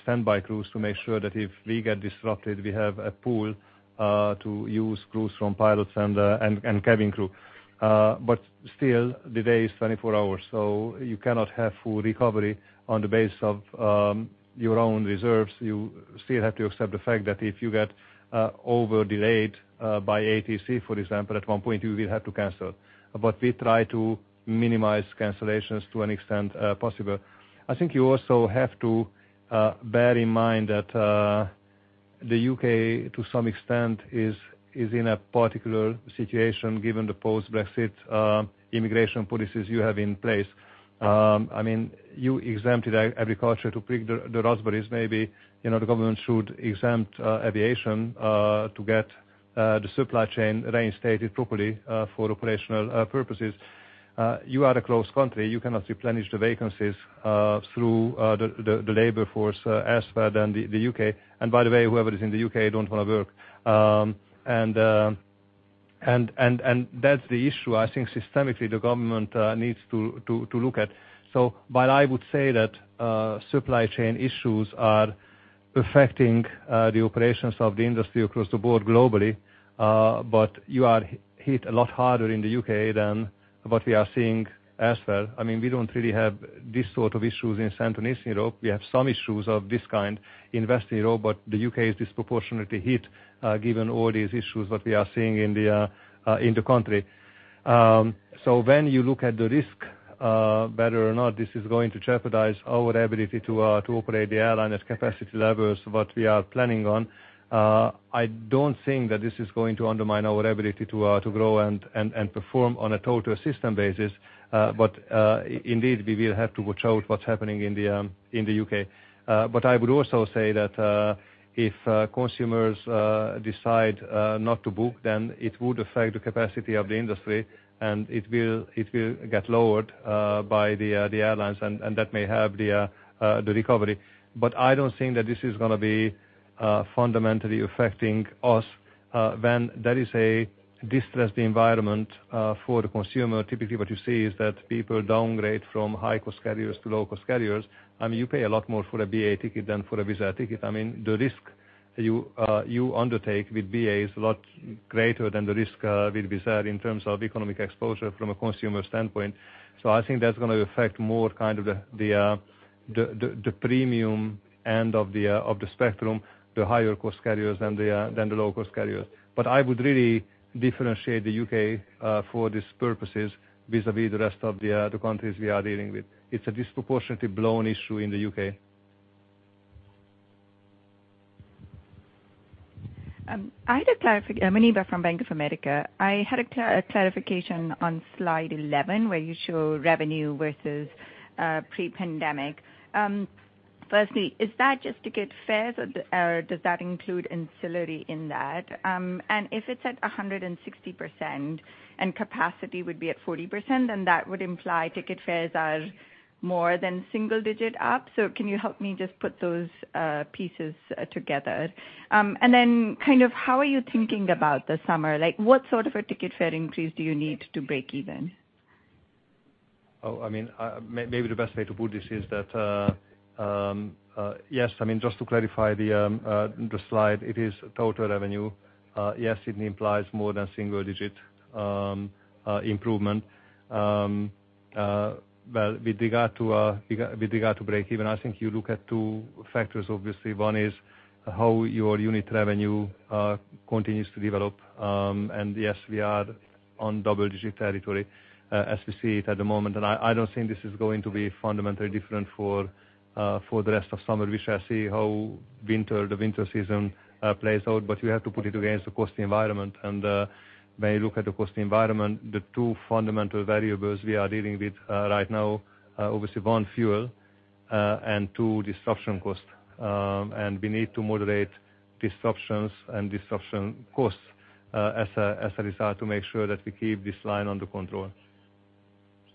standby crews, to make sure that if we get disrupted, we have a pool to use crews from pilots and cabin crew. Still the day is 24 hours, so you cannot have full recovery on the basis of your own reserves. You still have to accept the fact that if you get overly delayed by ATC, for example, at one point you will have to cancel. We try to minimize cancellations to an extent possible. I think you also have to bear in mind that the U.K., to some extent, is in a particular situation given the post-Brexit immigration policies you have in place. I mean, you exempted agriculture to pick the raspberries. Maybe, you know, the government should exempt aviation to get the supply chain reinstated properly for operational purposes. You are a closed country. You cannot replenish the vacancies through the labor force elsewhere than the U.K. By the way, whoever is in the U.K. Don't wanna work. That's the issue I think systemically the government needs to look at. While I would say that supply chain issues are affecting the operations of the industry across the board globally, but you are hit a lot harder in the U.K. than what we are seeing elsewhere. I mean, we don't really have these sort of issues in Central and Eastern Europe. We have some issues of this kind in Western Europe, but the U.K. is disproportionately hit, given all these issues that we are seeing in the country. When you look at the risk, whether or not this is going to jeopardize our ability to operate the airline at capacity levels what we are planning on, I don't think that this is going to undermine our ability to grow and perform on a total system basis. Indeed we will have to watch out what's happening in the U.K. I would also say that if consumers decide not to book, then it would affect the capacity of the industry, and it will get lowered by the airlines, and that may have the recovery. I don't think that this is gonna be fundamentally affecting us. When there is a distressed environment for the consumer, typically what you see is that people downgrade from high-cost carriers to low-cost carriers. I mean, you pay a lot more for a BA ticket than for a Wizz Air ticket. I mean, the risk you undertake with BA is a lot greater than the risk with Wizz Air in terms of economic exposure from a consumer standpoint. I think that's gonna affect more kind of the premium end of the spectrum, the higher-cost carriers than the low-cost carriers. I would really differentiate the U.K. for these purposes vis-à-vis the rest of the countries we are dealing with. It's a disproportionately blown issue in the U.K. Muneeba Kayani from Bank of America. I had a clarification on slide 11, where you show revenue versus pre-pandemic. Firstly, is that just ticket fares or does that include ancillary in that? And if it's at 160% and capacity would be at 40%, then that would imply ticket fares are more than single digit up. Can you help me just put those pieces together? Kind of how are you thinking about the summer? Like, what sort of a ticket fare increase do you need to break even? Oh, I mean, maybe the best way to put this is that, yes, I mean, just to clarify the slide, it is total revenue. Yes, it implies more than single-digit improvement. Well, with regard to break even, I think you look at two factors, obviously. One is how your unit revenue continues to develop. Yes, we are on double-digit territory, as we see it at the moment. I don't think this is going to be fundamentally different for the rest of summer. We shall see how the winter season plays out, but you have to put it against the cost environment. When you look at the cost environment, the two fundamental variables we are dealing with right now, obviously, one, fuel, and two, disruption cost. We need to moderate disruptions and disruption costs as a result to make sure that we keep this line under control.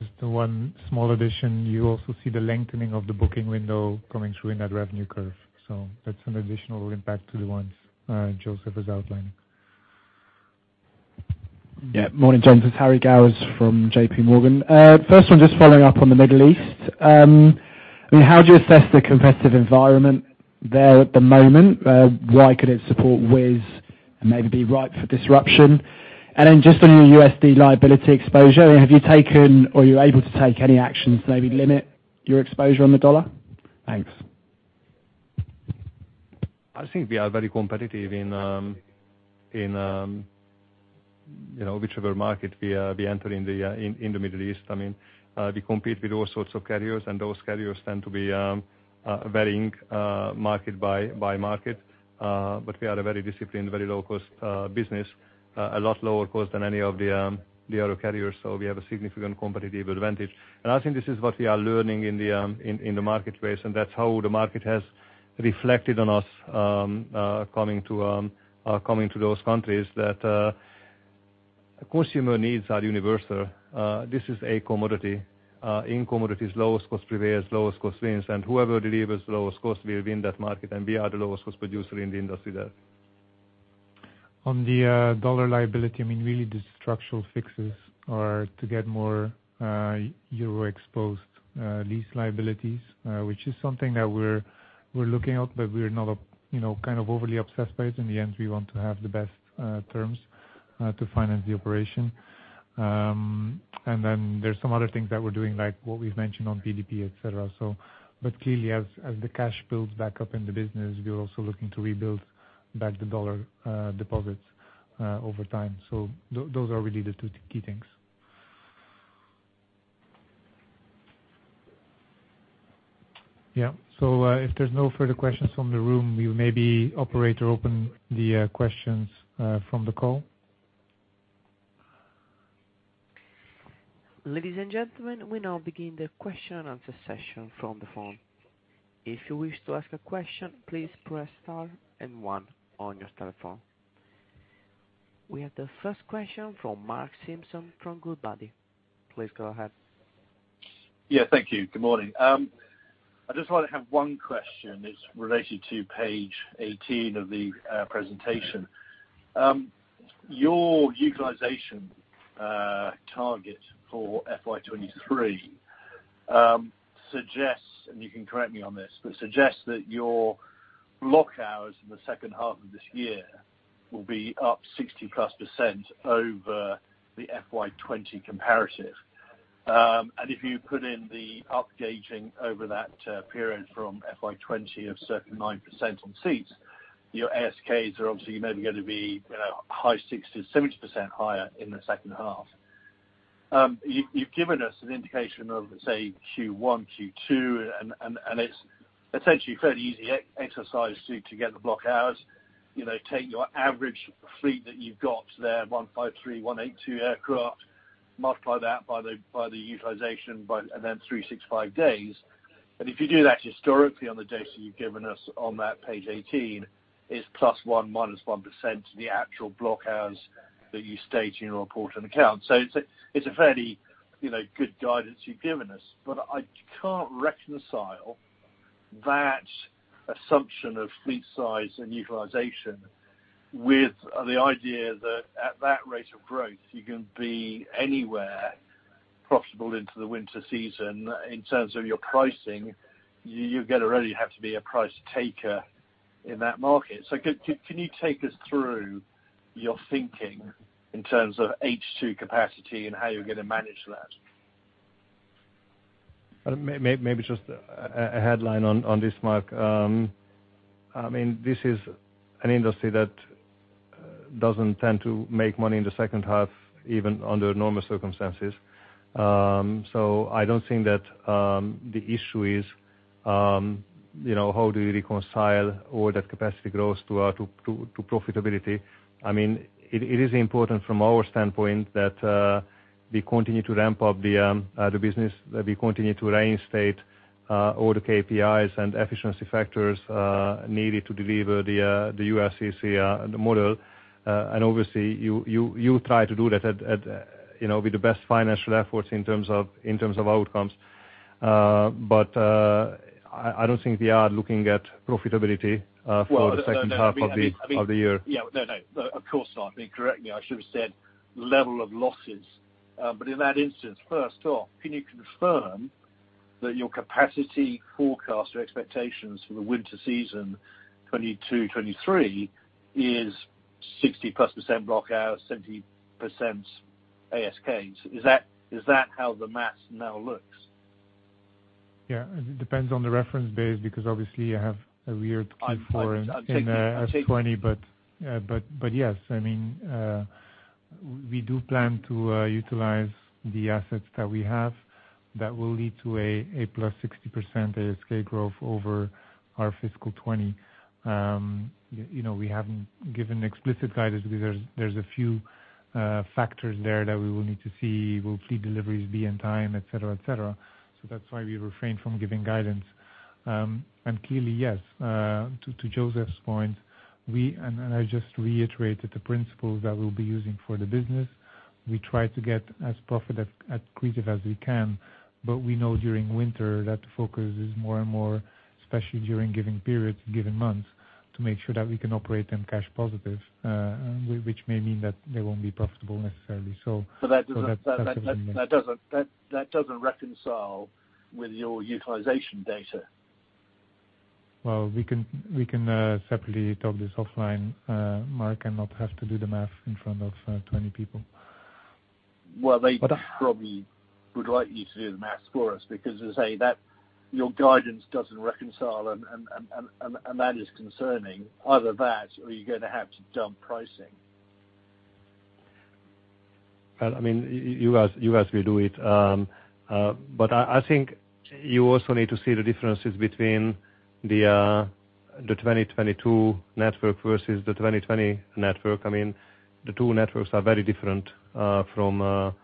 Just one small addition. You also see the lengthening of the booking window coming through in that revenue curve. That's an additional impact to the ones József is outlining. Yeah. Morning, gentlemen. It's Harry Gowers from J.P. Morgan. First one, just following up on the Middle East. I mean, how do you assess the competitive environment there at the moment? Why could it support Wizz and maybe be ripe for disruption? Then just on your USD liability exposure, have you taken or are you able to take any actions to maybe limit your exposure on the dollar? Thanks. I think we are very competitive in, you know, whichever market we enter in the Middle East. I mean, we compete with all sorts of carriers, and those carriers tend to be varying market by market. We are a very disciplined, very low-cost business, a lot lower cost than any of the other carriers. We have a significant competitive advantage. I think this is what we are learning in the marketplace, and that's how the market has reflected on us coming to those countries that consumer needs are universal. This is a commodity. In commodities, lowest cost prevails, lowest cost wins, and whoever delivers the lowest cost will win that market, and we are the lowest cost producer in the industry there. On the U.S. dollar liability, I mean, really the structural fixes are to get more euro-exposed lease liabilities, which is something that we're looking at, but we're not, you know, kind of overly obsessed by it. In the end, we want to have the best terms to finance the operation. There's some other things that we're doing, like what we've mentioned on PDP, et cetera. Clearly, as the cash builds back up in the business, we are also looking to rebuild back the U.S. dollar deposits over time. Those are really the two key things. Yeah. If there's no further questions from the room, you may, operator, open the questions from the call. Ladies and gentlemen, we now begin the question and answer session from the phone. If you wish to ask a question, please press star and one on your telephone. We have the first question from Mark Simpson from Goodbody. Please go ahead. Yeah, thank you. Good morning. I'd just like to have one question. It's related to page 18 of the presentation. Your utilization target for FY 2023 suggests, and you can correct me on this, but suggests that your block hours in the second half of this year will be up 60+% over the FY 2020 comparative. If you put in the upgauging over that period from FY 2020 of say 9% on seats, your ASKs are obviously maybe gonna be, you know, high 60s, 70% higher in the second half. You've given us an indication of, say, Q1, Q2, and it's essentially a fairly easy exercise to get the block hours. You know, take your average fleet that you've got there, 153, 182 aircraft, multiply that by the utilization by 365 days. If you do that historically on the data you've given us on that page 18, it's +1%-1% the actual block hours that you state in your report on accounts. It's a fairly, you know, good guidance you've given us. I can't reconcile that assumption of fleet size and utilization with the idea that at that rate of growth, you're gonna be anywhere profitable into the winter season. In terms of your pricing, you're gonna really have to be a price taker in that market. Can you take us through your thinking in terms of H2 capacity and how you're gonna manage that? Maybe just a headline on this, Mark. I mean, this is an industry that doesn't tend to make money in the second half, even under normal circumstances. I don't think that the issue is, you know, how do you reconcile all that capacity growth to profitability. I mean, it is important from our standpoint that we continue to ramp up the business, that we continue to reinstate all the KPIs and efficiency factors needed to deliver the ULCC model. Obviously, you try to do that at, you know, with the best financial efforts in terms of outcomes. I don't think we are looking at profitability for the second half of the year. Yeah. No, no. Of course not. I mean, correct me, I should have said level of losses. In that instance, first off, can you confirm that your capacity forecast or expectations for the winter season 2022, 2023 is 60%+ block out, 70% ASK? Is that how the math now looks? Yeah. It depends on the reference base, because obviously you have a weird Q4 in FY 2020. Yes. I mean, we do plan to utilize the assets that we have that will lead to a plus 60% ASK growth over our fiscal 2020. You know, we haven't given explicit guidance because there's a few factors there that we will need to see. Will fleet deliveries be on time, et cetera. That's why we refrain from giving guidance. Clearly, yes, to József's point, I just reiterated the principle that we'll be using for the business. We try to get as profitable, as creative as we can, but we know during winter that the focus is more and more, especially during given periods, given months, to make sure that we can operate and cash positive, which may mean that they won't be profitable necessarily. That doesn't reconcile with your utilization data. Well, we can separately talk this offline, Mark, and not have to do the math in front of 20 people. Well, they probably would like you to do the math for us because as I say that your guidance doesn't reconcile and that is concerning. Either that or you're gonna have to dump pricing. Well, I mean, you guys will do it. But I think you also need to see the differences between the 2022 network versus the 2020 network. I mean, the two networks are very different from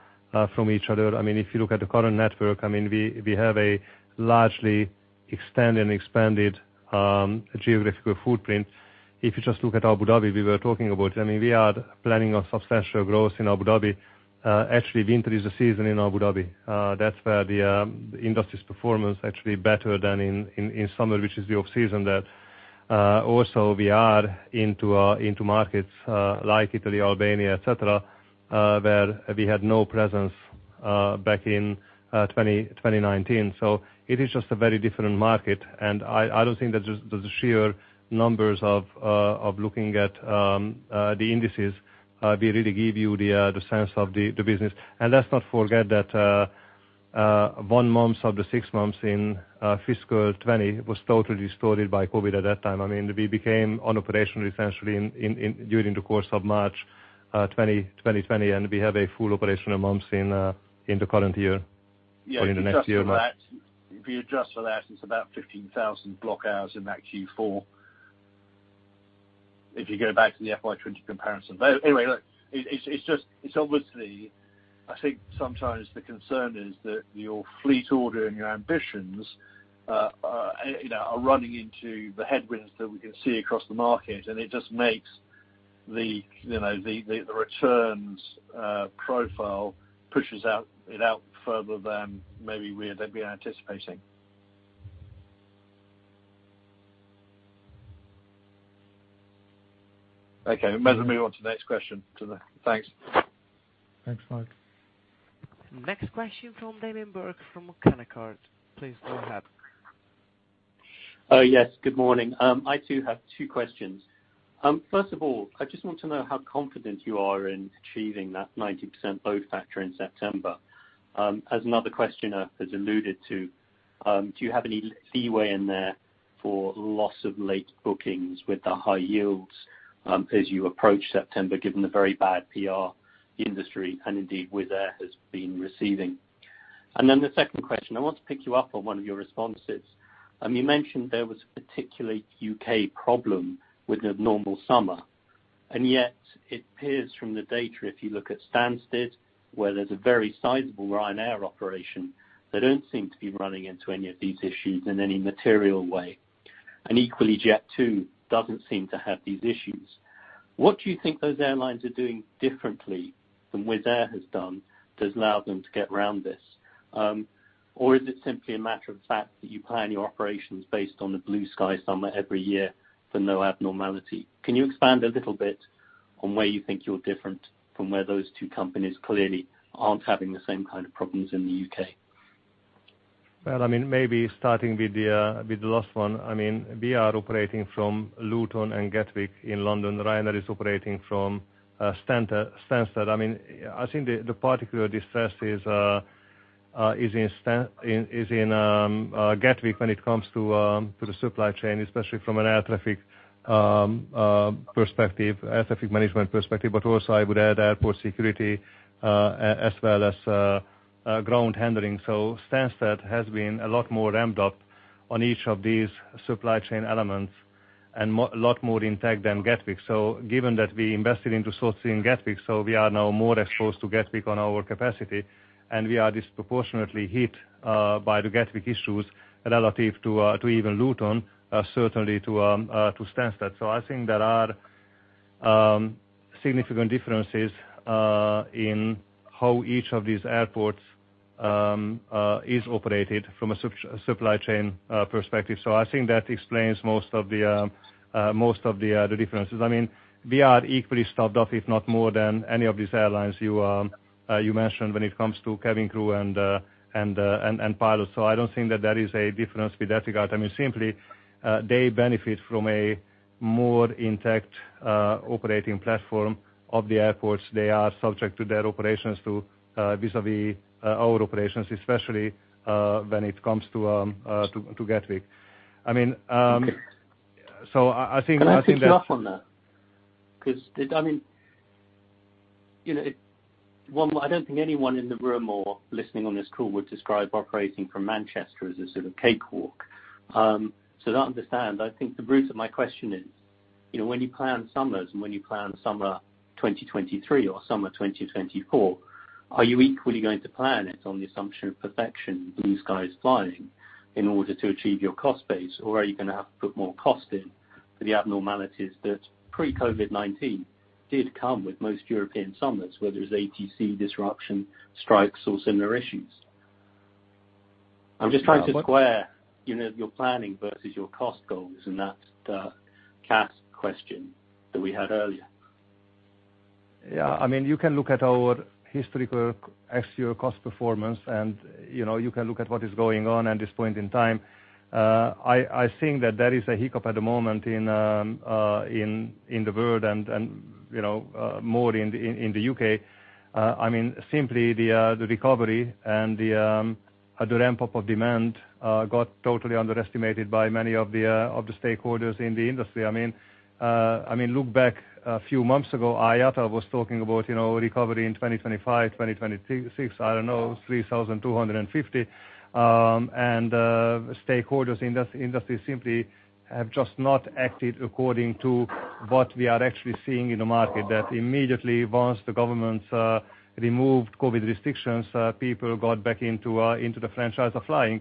each other. I mean, if you look at the current network, I mean, we have a largely extended and expanded geographical footprint. If you just look at Abu Dhabi, we were talking about, I mean, we are planning on substantial growth in Abu Dhabi. Actually, winter is the season in Abu Dhabi. That's where the industry's performance actually better than in summer, which is the off-season there. Also we are into markets like Italy, Albania, et cetera, where we had no presence back in 2019. It is just a very different market. I don't think that the sheer numbers of looking at the indices will really give you the sense of the business. Let's not forget that one month of the six months in fiscal 2020 was totally distorted by COVID at that time. I mean, we became unoperational essentially in during the course of March 2020, and we have a full operational months in the current year or in the next year. Yeah. If you adjust for that, it's about 15,000 block hours in that Q4 if you go back to the FY 2020 comparison. Anyway, look, it's obviously, I think sometimes the concern is that your fleet order and your ambitions, you know, are running into the headwinds that we can see across the market, and it just makes the, you know, the returns profile pushes out further than maybe we're anticipating. Okay, we better move on to the next question. Thanks. Thanks, Mark. Next question from Damian Brewer from Canaccord. Please go ahead. Oh, yes. Good morning. I too have two questions. First of all, I just want to know how confident you are in achieving that 90% load factor in September. As another questioner has alluded to, do you have any leeway in there for loss of late bookings with the high yields, as you approach September, given the very bad PR the industry and indeed Wizz Air has been receiving? The second question, I want to pick you up on one of your responses. You mentioned there was a particularly U.K. problem with the normal summer, and yet it appears from the data, if you look at Stansted, where there's a very sizable Ryanair operation, they don't seem to be running into any of these issues in any material way. Equally, Jet2 doesn't seem to have these issues. What do you think those airlines are doing differently than Wizz Air has done that's allowed them to get around this? Is it simply a matter of fact that you plan your operations based on the blue sky summer every year for no abnormality? Can you expand a little bit on where you think you're different from where those two companies clearly aren't having the same kind of problems in the U.K.? Well, I mean, maybe starting with the last one. I mean, we are operating from Luton and Gatwick in London. Ryanair is operating from Stansted. I mean, I think the particular discussion is in Gatwick when it comes to the supply chain, especially from an air traffic perspective, air traffic management perspective, but also I would add airport security, as well as ground handling. So Stansted has been a lot more ramped up on each of these supply chain elements and a lot more intact than Gatwick. Given that we invested into sourcing Gatwick, we are now more exposed to Gatwick on our capacity, and we are disproportionately hit by the Gatwick issues relative to even Luton, certainly to Stansted. I think there are significant differences in how each of these airports is operated from a supply chain perspective. I think that explains most of the differences. I mean, we are equally staffed up, if not more than any of these airlines you mentioned when it comes to cabin crew and pilots. I don't think that there is a difference with that regard. I mean, simply, they benefit from a more intact operating platform of the airports. They are subject to their operations vis-à-vis our operations, especially when it comes to Gatwick. I mean, so I think that. Can I pick you up on that? I mean, you know, it. One, I don't think anyone in the room or listening on this call would describe operating from Manchester as a sort of cakewalk. I understand. I think the root of my question is you know, when you plan summers and when you plan summer 2023 or summer 2024, are you equally going to plan it on the assumption of perfection with these guys flying in order to achieve your cost base? Are you gonna have to put more cost in for the abnormalities that pre-COVID-19 did come with most European summers, whether it's ATC disruption, strikes, or similar issues? I'm just trying to square, you know, your planning versus your cost goals in that, CASK question that we had earlier. Yeah. I mean, you can look at our historical actual cost performance, and, you know, you can look at what is going on at this point in time. I think that there is a hiccup at the moment in the world and, you know, more in the U.K. I mean, simply the recovery and the ramp-up of demand got totally underestimated by many of the stakeholders in the industry. I mean, look back a few months ago, IATA was talking about, you know, recovery in 2025, 2026, I don't know, 3,250. Stakeholders in this industry simply have just not acted according to what we are actually seeing in the market. That immediately once the governments removed COVID restrictions, people got back into the frenzy of flying.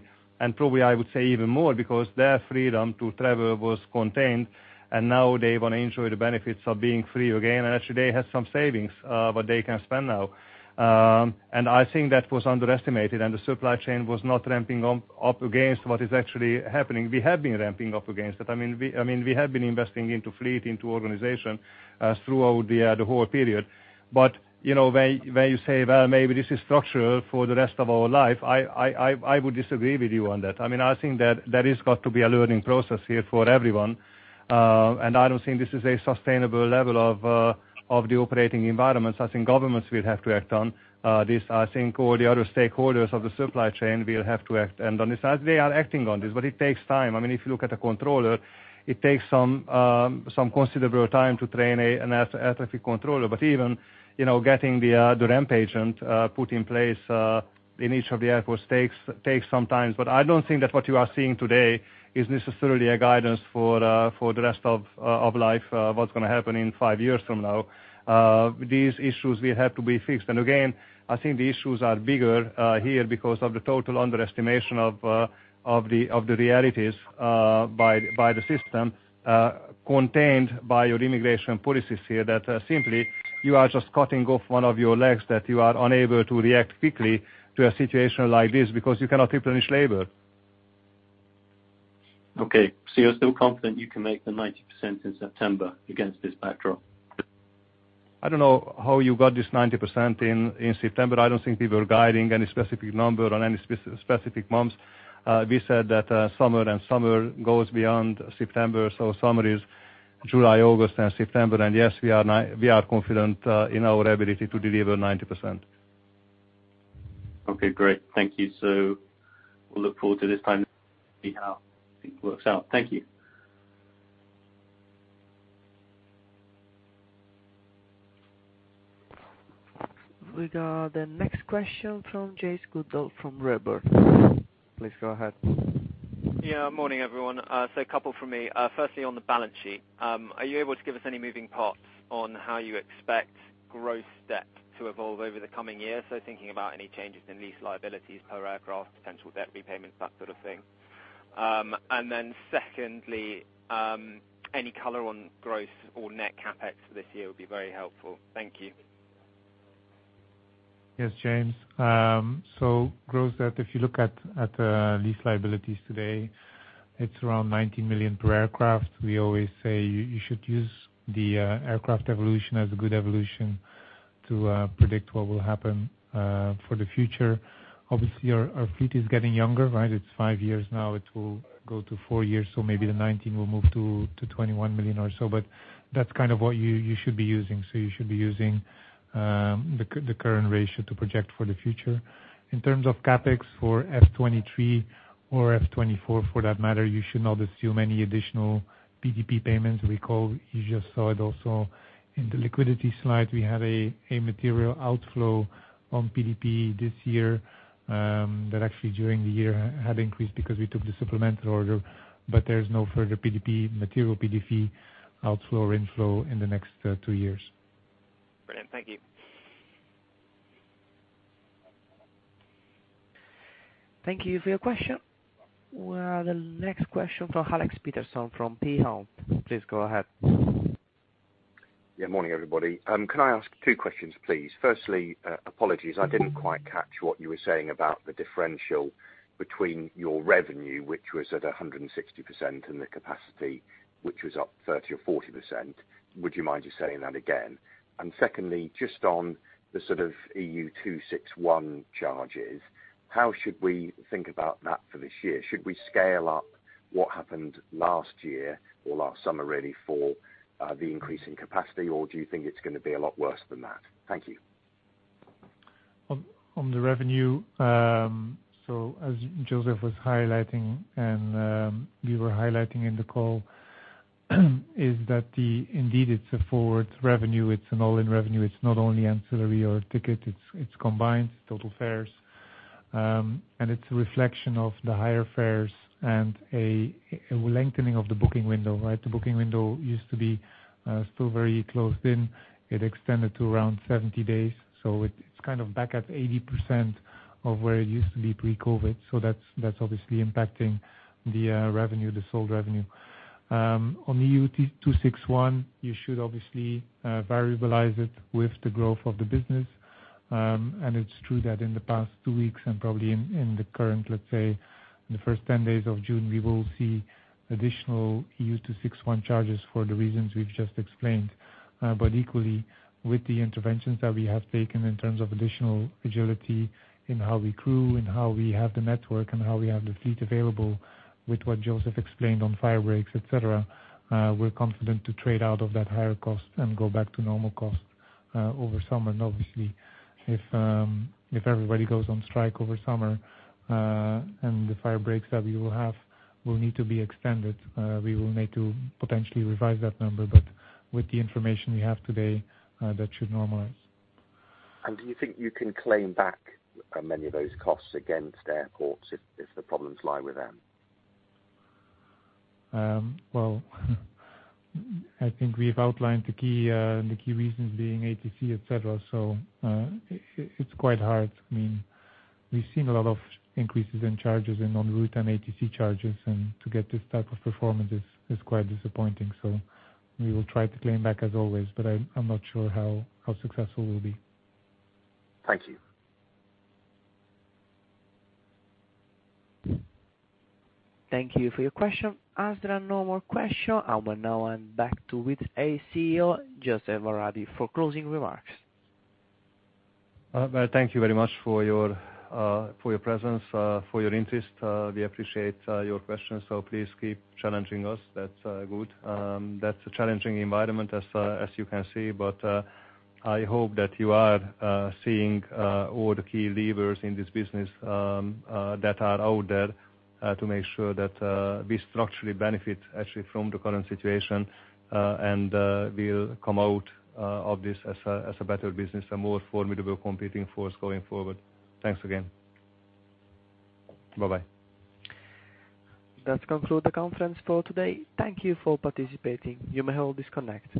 Probably, I would say even more because their freedom to travel was contained, and now they wanna enjoy the benefits of being free again. Actually they have some savings, what they can spend now. I think that was underestimated, and the supply chain was not ramping up against what is actually happening. We have been ramping up against it. I mean, we have been investing into fleet, into organization, throughout the whole period. You know, when you say, "Well, maybe this is structural for the rest of our life," I would disagree with you on that. I mean, I think that is got to be a learning process here for everyone. I don't think this is a sustainable level of the operating environment. I think governments will have to act on this. I think all the other stakeholders of the supply chain will have to act. On this side, they are acting on this, but it takes time. I mean, if you look at a controller, it takes some considerable time to train an air traffic controller. Even, you know, getting the ramp agent put in place in each of the airports takes some time. I don't think that what you are seeing today is necessarily a guidance for the rest of life, what's gonna happen in five years from now. These issues will have to be fixed. I think the issues are bigger here because of the total underestimation of the realities by the system constrained by your immigration policies here that simply you are just cutting off one of your legs, that you are unable to react quickly to a situation like this because you cannot replenish labor. Okay. You're still confident you can make the 90% in September against this backdrop? I don't know how you got this 90% in September. I don't think we were guiding any specific number on any specific months. We said that summer goes beyond September, so summer is July, August and September. Yes, we are confident in our ability to deliver 90%. Okay, great. Thank you. We'll look forward to this time see how it works out. Thank you. We got the next question from James Goodall from Redburn. Please go ahead. Morning, everyone. A couple from me. Firstly, on the balance sheet, are you able to give us any moving parts on how you expect growth debt to evolve over the coming years? Thinking about any changes in lease liabilities per aircraft, potential debt repayments, that sort of thing. Secondly, any color on growth or net CapEx for this year would be very helpful. Thank you. Yes, James. Growth debt, if you look at lease liabilities today, it's around 19 million per aircraft. We always say you should use the aircraft evolution as a good evolution to predict what will happen for the future. Obviously, our fleet is getting younger, right? It's five years now. It will go to four years. Maybe the 19 will move to 21 million or so, but that's kind of what you should be using. You should be using the current ratio to project for the future. In terms of CapEx for FY 2023 or FY 2024 for that matter, you should not assume any additional PDP payments. Recall, you just saw it also in the liquidity slide. We have a material outflow on PDP this year, that actually during the year had increased because we took the supplemental order, but there's no further PDP, material PDP outflow or inflow in the next two years. Brilliant. Thank you. Thank you for your question. We have the next question from Alexander Paterson from Peel Hunt. Please go ahead. Yeah. Morning, everybody. Can I ask two questions, please? Firstly, apologies, I didn't quite catch what you were saying about the differential between your revenue, which was at 160%, and the capacity, which was up 30% or 40%. Would you mind just saying that again? Secondly, just on the sort of EU 261 charges, how should we think about that for this year? Should we scale up what happened last year or last summer really for the increase in capacity, or do you think it's gonna be a lot worse than that? Thank you. On the revenue, as József was highlighting and we were highlighting in the call is that indeed it's a forward revenue, it's an all-in revenue. It's not only ancillary or ticket, it's combined total fares. It's a reflection of the higher fares and a lengthening of the booking window, right? The booking window used to be still very closed in. It extended to around 70 days, so it's kind of back at 80% of where it used to be pre-COVID. That's obviously impacting the revenue, the sold revenue. On the EU 261, you should obviously variabilize it with the growth of the business. It's true that in the past two weeks and probably in the current, let's say, the first 10 days of June, we will see additional EU 261 charges for the reasons we've just explained. Equally, with the interventions that we have taken in terms of additional agility in how we crew and how we have the network and how we have the fleet available, with what József explained on fire breaks, et cetera, we're confident to trade out of that higher cost and go back to normal cost, over summer. Obviously, if everybody goes on strike over summer, and the fire breaks that we will have will need to be extended, we will need to potentially revise that number. With the information we have today, that should normalize. Do you think you can claim back many of those costs against airports if the problems lie with them? Well, I think we've outlined the key reasons being ATC, et cetera, so it's quite hard. I mean, we've seen a lot of increases in charges and en route and ATC charges, and to get this type of performance is quite disappointing. We will try to claim back as always, but I'm not sure how successful we'll be. Thank you. Thank you for your question. As there are no more questions, I will now hand back to the CEO, József Váradi, for closing remarks. Well, thank you very much for your presence, for your interest. We appreciate your questions, so please keep challenging us. That's good. That's a challenging environment as you can see. I hope that you are seeing all the key levers in this business that are out there to make sure that we structurally benefit actually from the current situation, and we'll come out of this as a better business, a more formidable competing force going forward. Thanks again. Bye-bye. That concludes the conference for today. Thank you for participating. You may all disconnect.